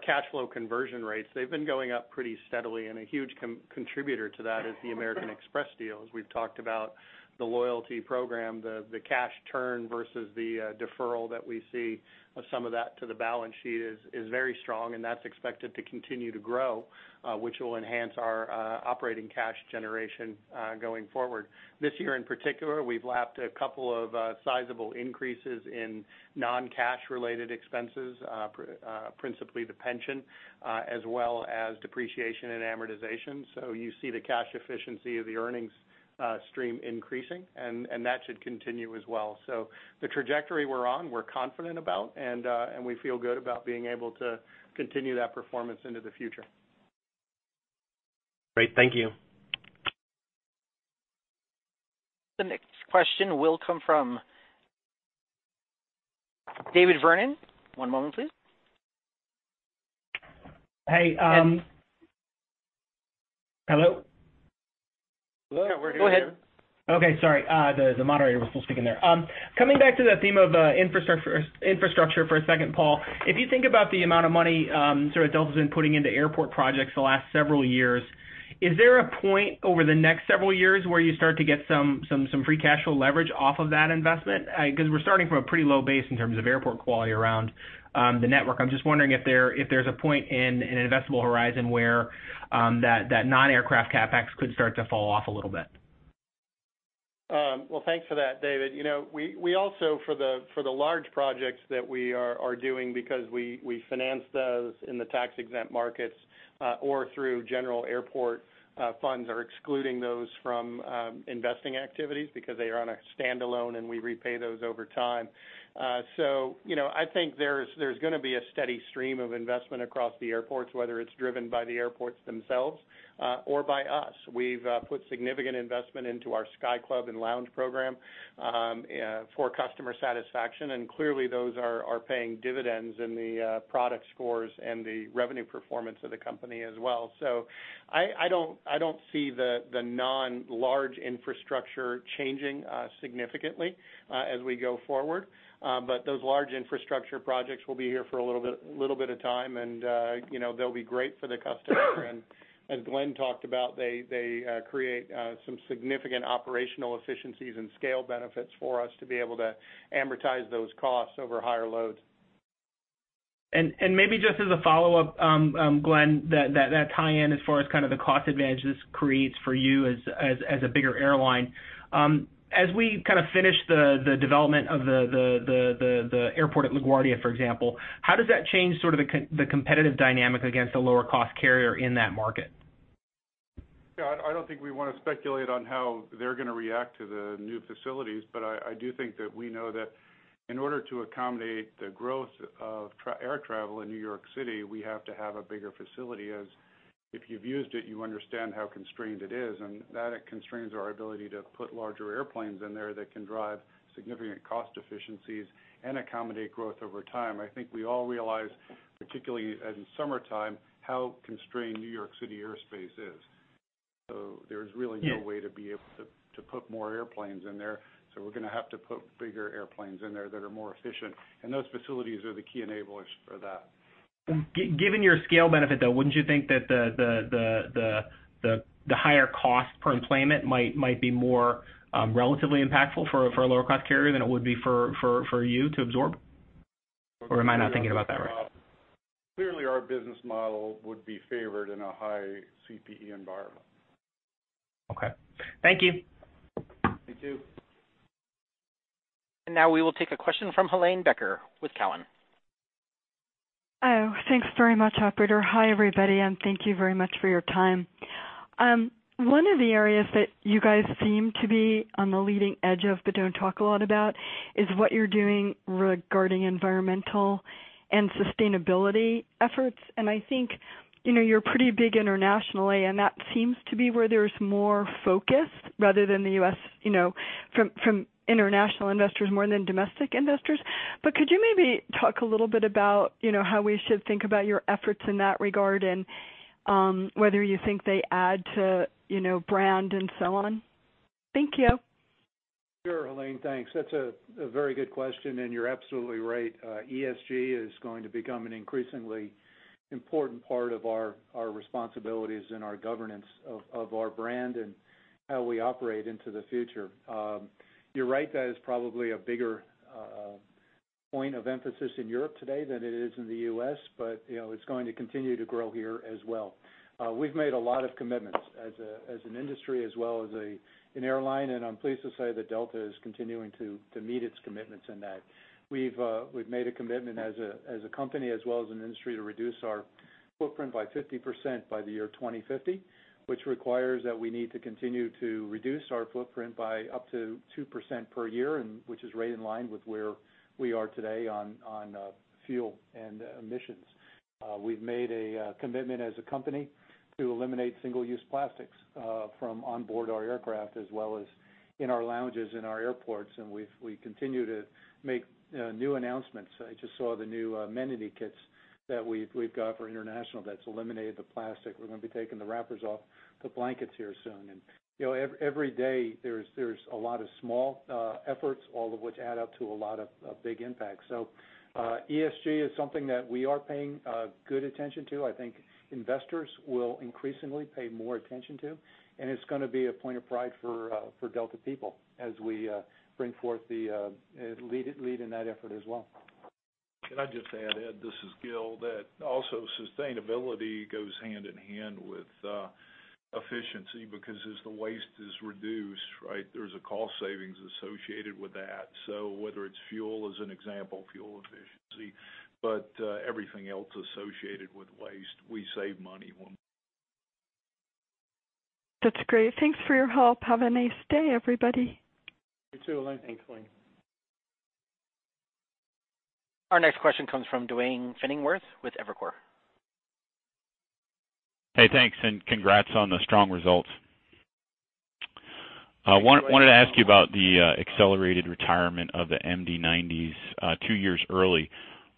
cash flow conversion rates, they've been going up pretty steadily, and a huge contributor to that is the American Express deal. As we've talked about the loyalty program, the cash turn versus the deferral that we see of some of that to the balance sheet is very strong, and that's expected to continue to grow, which will enhance our operating cash generation going forward. This year in particular, we've lapped a couple of sizable increases in non-cash related expenses, principally the pension, as well as depreciation and amortization. You see the cash efficiency of the earnings stream increasing, and that should continue as well. The trajectory we're on, we're confident about, and we feel good about being able to continue that performance into the future. Great. Thank you. The next question will come from David Vernon. One moment, please. Hey. Hello? Yeah, we're here. Go ahead. Okay, sorry. The moderator was still speaking there. Coming back to the theme of infrastructure for a second, Paul. If you think about the amount of money Delta's been putting into airport projects the last several years, is there a point over the next several years where you start to get some free cash flow leverage off of that investment? Because we're starting from a pretty low base in terms of airport quality around the network. I'm just wondering if there's a point in an investable horizon where that non-aircraft CapEx could start to fall off a little bit. Well, thanks for that, David. We also, for the large projects that we are doing, because we finance those in the tax-exempt markets or through general airport funds, are excluding those from investing activities because they are on a standalone, and we repay those over time. I think there's going to be a steady stream of investment across the airports, whether it's driven by the airports themselves or by us. We've put significant investment into our Delta Sky Club and lounge program for customer satisfaction, and clearly, those are paying dividends in the product scores and the revenue performance of the company as well. I don't see the non-large infrastructure changing significantly as we go forward. Those large infrastructure projects will be here for a little bit of time and they'll be great for the customer. As Glen talked about, they create some significant operational efficiencies and scale benefits for us to be able to amortize those costs over higher loads. Maybe just as a follow-up, Glen, that tie-in as far as the cost advantage this creates for you as a bigger airline. As we finish the development of the airport at LaGuardia, for example, how does that change the competitive dynamic against a lower-cost carrier in that market? I don't think we want to speculate on how they're going to react to the new facilities, but I do think that we know that in order to accommodate the growth of air travel in New York City, we have to have a bigger facility, as if you've used it, you understand how constrained it is, and that it constrains our ability to put larger airplanes in there that can drive significant cost efficiencies and accommodate growth over time. I think we all realize, particularly in summertime, how constrained New York City airspace is. There's really no way to be able to put more airplanes in there. We're going to have to put bigger airplanes in there that are more efficient, and those facilities are the key enablers for that. Given your scale benefit, though, wouldn't you think that the higher cost per enplanement might be more relatively impactful for a lower-cost carrier than it would be for you to absorb? Am I not thinking about that right? Clearly, our business model would be favored in a high CPE environment. Okay. Thank you. Thank you. Now we will take a question from Helane Becker with Cowen. Thanks very much, operator. Hi, everybody, and thank you very much for your time. One of the areas that you guys seem to be on the leading edge of but don't talk a lot about is what you're doing regarding environmental and sustainability efforts. I think you're pretty big internationally, and that seems to be where there's more focus rather than the U.S., from international investors more than domestic investors. Could you maybe talk a little bit about how we should think about your efforts in that regard and whether you think they add to brand and so on? Thank you. Sure, Helane, thanks. That's a very good question. You're absolutely right. ESG is going to become an increasingly important part of our responsibilities and our governance of our brand and how we operate into the future. You're right, that is probably a bigger point of emphasis in Europe today than it is in the U.S., it's going to continue to grow here as well. We've made a lot of commitments as an industry as well as an airline. I'm pleased to say that Delta is continuing to meet its commitments in that. We've made a commitment as a company as well as an industry to reduce our footprint by 50% by the year 2050, which requires that we need to continue to reduce our footprint by up to 2% per year, which is right in line with where we are today on fuel and emissions. We've made a commitment as a company to eliminate single-use plastics from onboard our aircraft as well as in our lounges in our airports, and we continue to make new announcements. I just saw the new amenity kits that we've got for international that's eliminated the plastic. We're going to be taking the wrappers off the blankets here soon. Every day, there's a lot of small efforts, all of which add up to a lot of big impact. ESG is something that we are paying good attention to, I think investors will increasingly pay more attention to, and it's going to be a point of pride for Delta people as we bring forth the lead in that effort as well. Can I just add, Ed, this is Gil, that also sustainability goes hand-in-hand with efficiency because as the waste is reduced, right, there's a cost savings associated with that. Whether it's fuel as an example, fuel efficiency, but everything else associated with waste, we save money when- That's great. Thanks for your help. Have a nice day, everybody. You too, Helane. Thanks, Helane. Our next question comes from Duane Pfennigwerth with Evercore. Hey, thanks. Congrats on the strong results. I wanted to ask you about the accelerated retirement of the MD-90s two years early.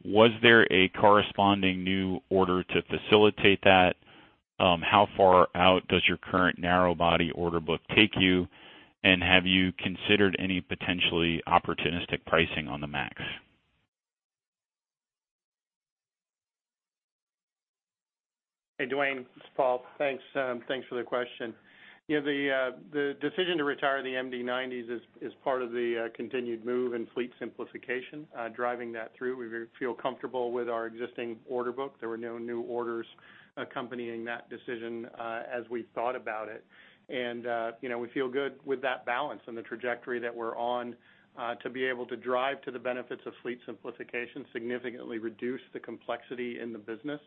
Was there a corresponding new order to facilitate that? How far out does your current narrow-body order book take you? Have you considered any potentially opportunistic pricing on the MAX? Hey, Duane, it's Paul. Thanks for the question. The decision to retire the MD-90s is part of the continued move in fleet simplification, driving that through. We feel comfortable with our existing order book. There were no new orders accompanying that decision as we thought about it. We feel good with that balance and the trajectory that we're on to be able to drive to the benefits of fleet simplification, significantly reduce the complexity in the business,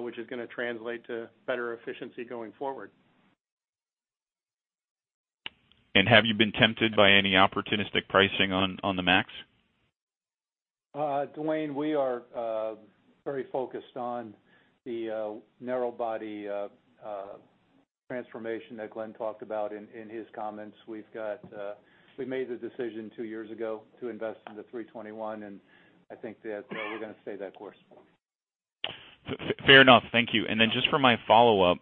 which is going to translate to better efficiency going forward. Have you been tempted by any opportunistic pricing on the MAX? Duane, we are very focused on the narrow-body transformation that Glen talked about in his comments. We made the decision two years ago to invest in the A321, and I think that we're going to stay that course. Fair enough. Thank you. Then just for my follow-up,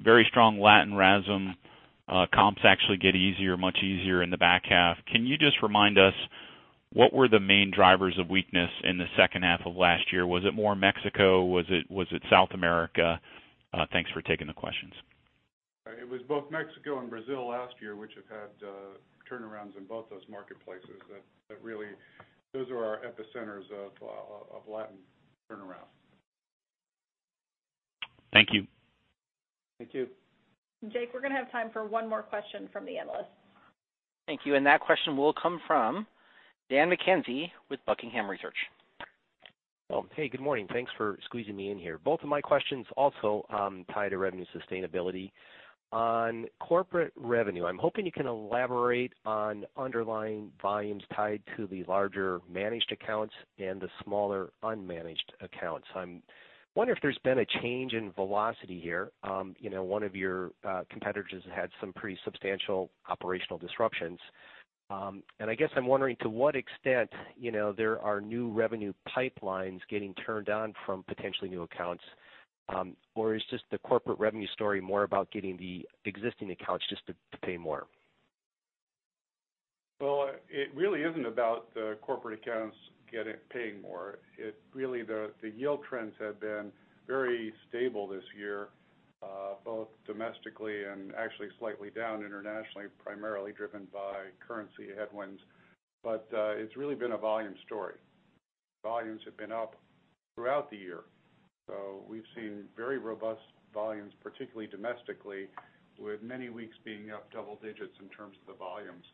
very strong Latin RASM comps actually get easier, much easier in the back half. Can you just remind us what were the main drivers of weakness in the second half of last year? Was it more Mexico? Was it South America? Thanks for taking the questions. It was both Mexico and Brazil last year, which have had turnarounds in both those marketplaces. Those are our epicenters of Latin turnaround. Thank you. Thank you. Jake, we're going to have time for one more question from the analysts. Thank you. That question will come from Dan McKenzie with Buckingham Research. Oh, hey, good morning. Thanks for squeezing me in here. Both of my questions also tie to revenue sustainability. On corporate revenue, I'm hoping you can elaborate on underlying volumes tied to the larger managed accounts and the smaller unmanaged accounts. I wonder if there's been a change in velocity here. One of your competitors has had some pretty substantial operational disruptions. I guess I'm wondering to what extent there are new revenue pipelines getting turned on from potentially new accounts. Is just the corporate revenue story more about getting the existing accounts just to pay more? It really isn't about the corporate accounts paying more. The yield trends have been very stable this year, both domestically and actually slightly down internationally, primarily driven by currency headwinds. It's really been a volume story. Volumes have been up throughout the year. We've seen very robust volumes, particularly domestically, with many weeks being up double digits in terms of the volumes.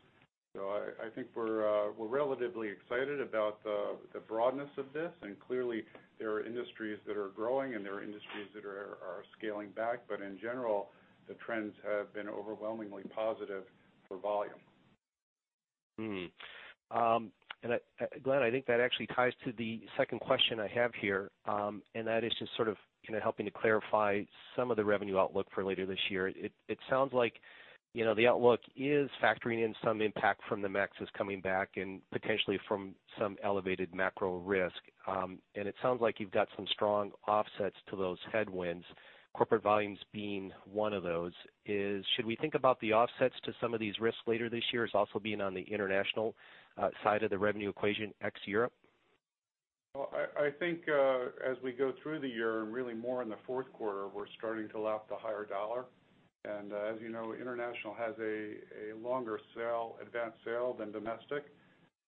I think we're relatively excited about the broadness of this. Clearly, there are industries that are growing and there are industries that are scaling back. In general, the trends have been overwhelmingly positive for volume. Glen, I think that actually ties to the second question I have here, and that is just sort of helping to clarify some of the revenue outlook for later this year. It sounds like the outlook is factoring in some impact from the MAXes coming back and potentially from some elevated macro risk. It sounds like you've got some strong offsets to those headwinds, corporate volumes being one of those. Should we think about the offsets to some of these risks later this year as also being on the international side of the revenue equation, ex-Europe? Well, I think as we go through the year and really more in the fourth quarter, we're starting to lap the higher dollar. As you know, international has a longer advanced sale than domestic.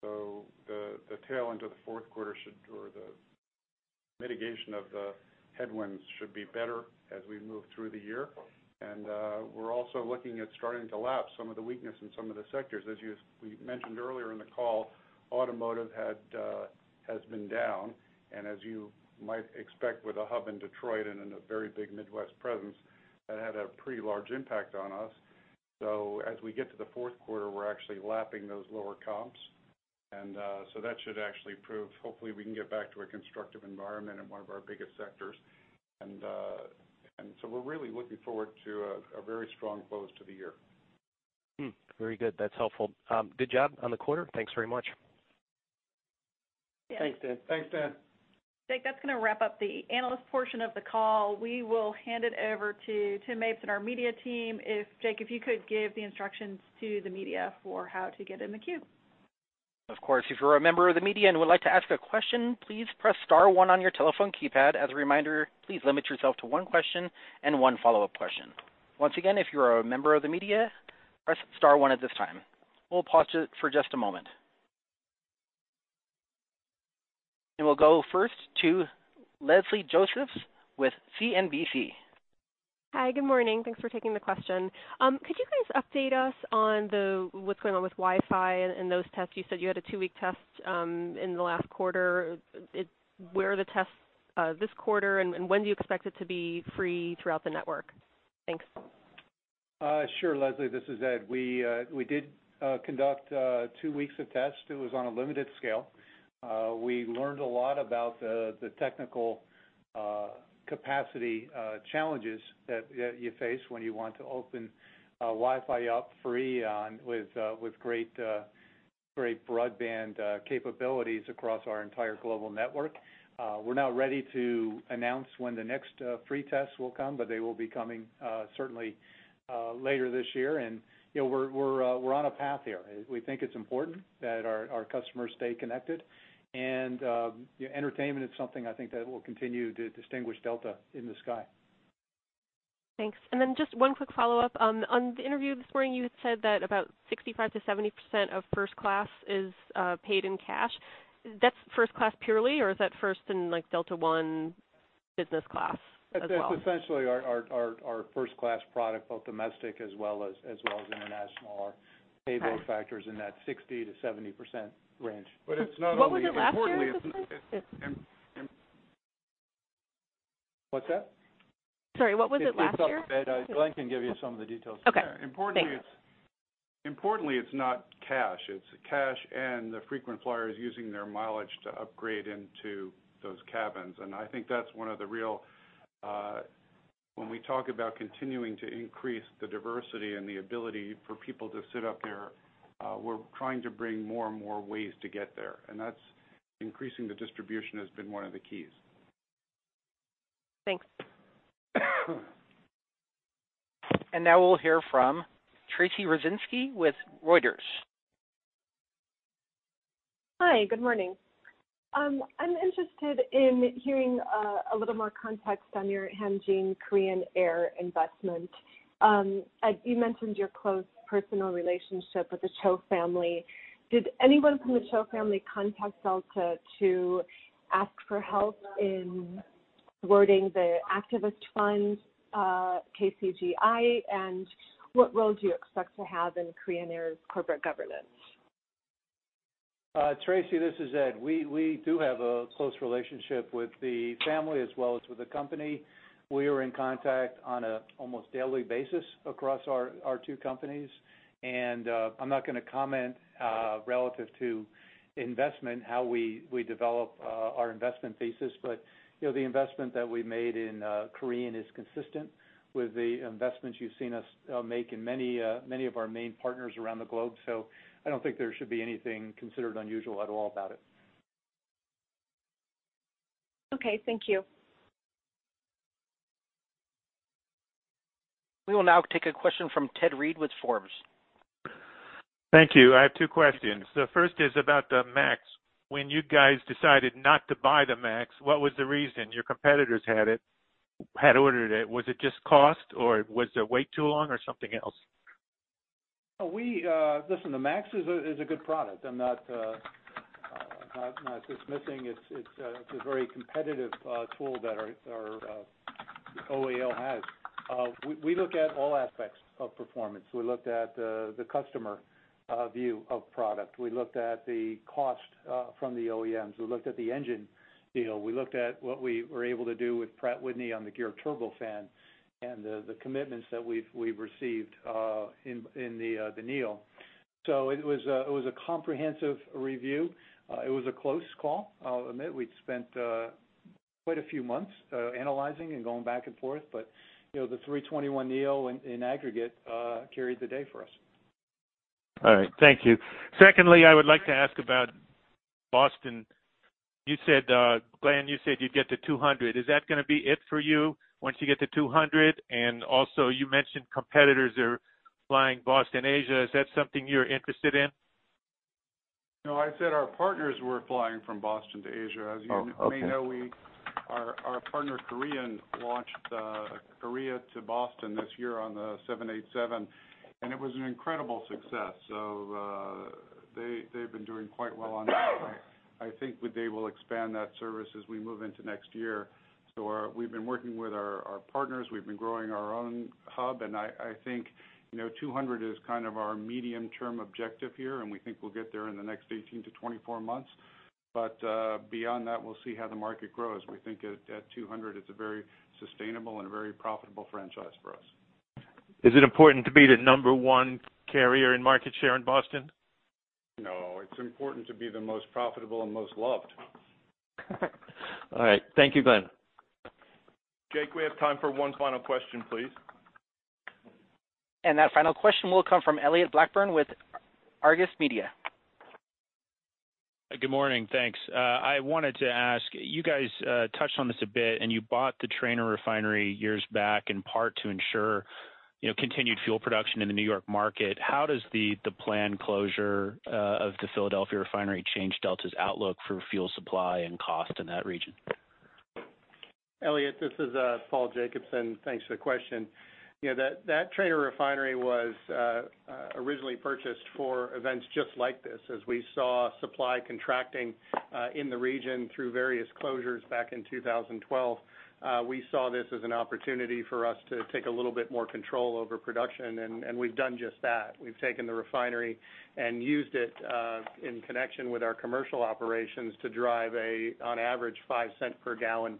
The tail into the fourth quarter or the mitigation of the headwinds should be better as we move through the year. We're also looking at starting to lap some of the weakness in some of the sectors. As we mentioned earlier in the call, automotive has been down, and as you might expect with a hub in Detroit and a very big Midwest presence, that had a pretty large impact on us. As we get to the fourth quarter, we're actually lapping those lower comps. That should actually prove, hopefully, we can get back to a constructive environment in one of our biggest sectors. We're really looking forward to a very strong close to the year. Very good. That's helpful. Good job on the quarter. Thanks very much. Thanks, Dan. Jake, that's going to wrap up the analyst portion of the call. We will hand it over to Tim Mapes and our media team. Jake, if you could give the instructions to the media for how to get in the queue. Of course, if you're a member of the media and would like to ask a question, please press star one on your telephone keypad. As a reminder, please limit yourself to one question and one follow-up question. Once again, if you're a member of the media, press star one at this time. We'll pause for just a moment. We'll go first to Leslie Josephs with CNBC. Hi, good morning. Thanks for taking the question. Could you guys update us on what's going on with Wi-Fi and those tests? You said you had a two-week test in the last quarter. Where are the tests this quarter, when do you expect it to be free throughout the network? Thanks. Sure, Leslie, this is Ed. We did conduct two weeks of tests. It was on a limited scale. We learned a lot about the technical capacity challenges that you face when you want to open Wi-Fi up free with great Great broadband capabilities across our entire global network. We're now ready to announce when the next free tests will come, they will be coming certainly later this year. We're on a path here. We think it's important that our customers stay connected. Entertainment is something I think that will continue to distinguish Delta in the sky. Thanks. Just one quick follow-up. On the interview this morning, you had said that about 65%-70% of first class is paid in cash. Is that first class purely, is that first in Delta One business class as well? That's essentially our first class product, both domestic as well as international, our payload factors in that 60%-70% range. it's not only- What was it last year? What's that? Sorry, what was it last year? If you'd fill that, Glen can give you some of the details there. Okay. Thanks. Importantly, it's not cash. It's cash and the frequent flyers using their mileage to upgrade into those cabins. I think that's one of the real When we talk about continuing to increase the diversity and the ability for people to sit up here, we're trying to bring more and more ways to get there. That's increasing the distribution has been one of the keys. Thanks. Now we'll hear from Tracy Rucinski with Reuters. Hi. Good morning. I'm interested in hearing a little more context on your Hanjin Korean Air investment. You mentioned your close personal relationship with the Cho family. Did anyone from the Cho family contact Delta to ask for help in warding off the activist fund, KCGI, and what role do you expect to have in Korean Air's corporate governance? Tracy, this is Ed. We do have a close relationship with the family as well as with the company. We are in contact on an almost daily basis across our two companies. I'm not going to comment relative to investment, how we develop our investment thesis. The investment that we made in Korean is consistent with the investments you've seen us make in many of our main partners around the globe. I don't think there should be anything considered unusual at all about it. Okay, thank you. We will now take a question from Ted Reed with Forbes. Thank you. I have two questions. The first is about the MAX. When you guys decided not to buy the MAX, what was the reason? Your competitors had ordered it. Was it just cost, or was the wait too long, or something else? Listen, the MAX is a good product. I'm not dismissing it. It's a very competitive tool that our OAL has. We look at all aspects of performance. We looked at the customer view of product. We looked at the cost from the OEMs. We looked at the engine deal. We looked at what we were able to do with Pratt & Whitney on the Geared Turbofan and the commitments that we've received in the neo. It was a comprehensive review. It was a close call. I'll admit we'd spent quite a few months analyzing and going back and forth, but the A321neo in aggregate carried the day for us. All right. Thank you. Secondly, I would like to ask about Boston. Glen, you said you'd get to 200. Is that going to be it for you once you get to 200? Also, you mentioned competitors are flying Boston, Asia. Is that something you're interested in? No, I said our partners were flying from Boston to Asia. Oh, okay. As you may know, our partner Korean launched Korea to Boston this year on the 787, and it was an incredible success. They've been doing quite well on that front. I think they will expand that service as we move into next year. We've been working with our partners. We've been growing our own hub, and I think 200 is kind of our medium-term objective here, and we think we'll get there in the next 18-24 months. Beyond that, we'll see how the market grows. We think at 200, it's a very sustainable and a very profitable franchise for us. Is it important to be the number one carrier in market share in Boston? No, it's important to be the most profitable and most loved. All right. Thank you, Glen. Jake, we have time for one final question, please. That final question will come from Elliott Blackburn with Argus Media. Good morning. Thanks. I wanted to ask, you guys touched on this a bit, and you bought the Trainer Refinery years back, in part to ensure continued fuel production in the New York market. How does the planned closure of the Philadelphia Refinery change Delta's outlook for fuel supply and cost in that region? Elliott, this is Paul Jacobson. Thanks for the question. That Trainer Refinery was originally purchased for events just like this. As we saw supply contracting in the region through various closures back in 2012, we saw this as an opportunity for us to take a little bit more control over production, and we've done just that. We've taken the refinery and used it in connection with our commercial operations to drive a, on average, $0.05 per gallon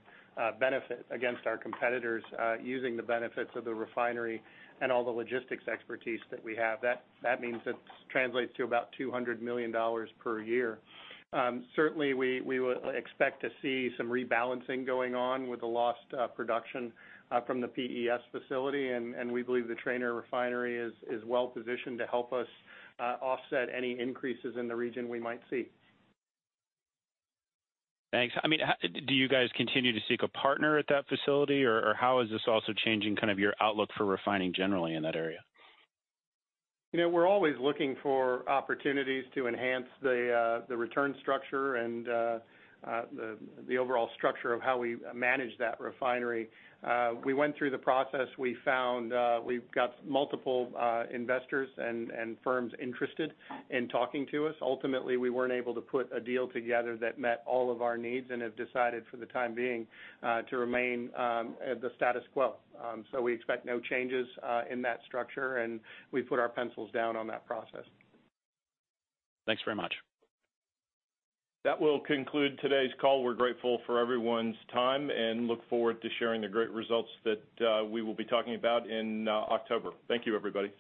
benefit against our competitors using the benefits of the refinery and all the logistics expertise that we have. That means it translates to about $200 million per year. Certainly, we will expect to see some rebalancing going on with the lost production from the PES facility, and we believe the Trainer Refinery is well-positioned to help us offset any increases in the region we might see. Thanks. Do you guys continue to seek a partner at that facility, or how is this also changing kind of your outlook for refining generally in that area? We're always looking for opportunities to enhance the return structure and the overall structure of how we manage that refinery. We went through the process. We've got multiple investors and firms interested in talking to us. Ultimately, we weren't able to put a deal together that met all of our needs and have decided for the time being to remain at the status quo. We expect no changes in that structure, and we've put our pencils down on that process. Thanks very much. That will conclude today's call. We are grateful for everyone's time and look forward to sharing the great results that we will be talking about in October. Thank you, everybody.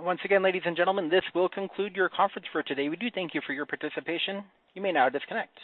Once again, ladies and gentlemen, this will conclude your conference for today. We do thank you for your participation. You may now disconnect.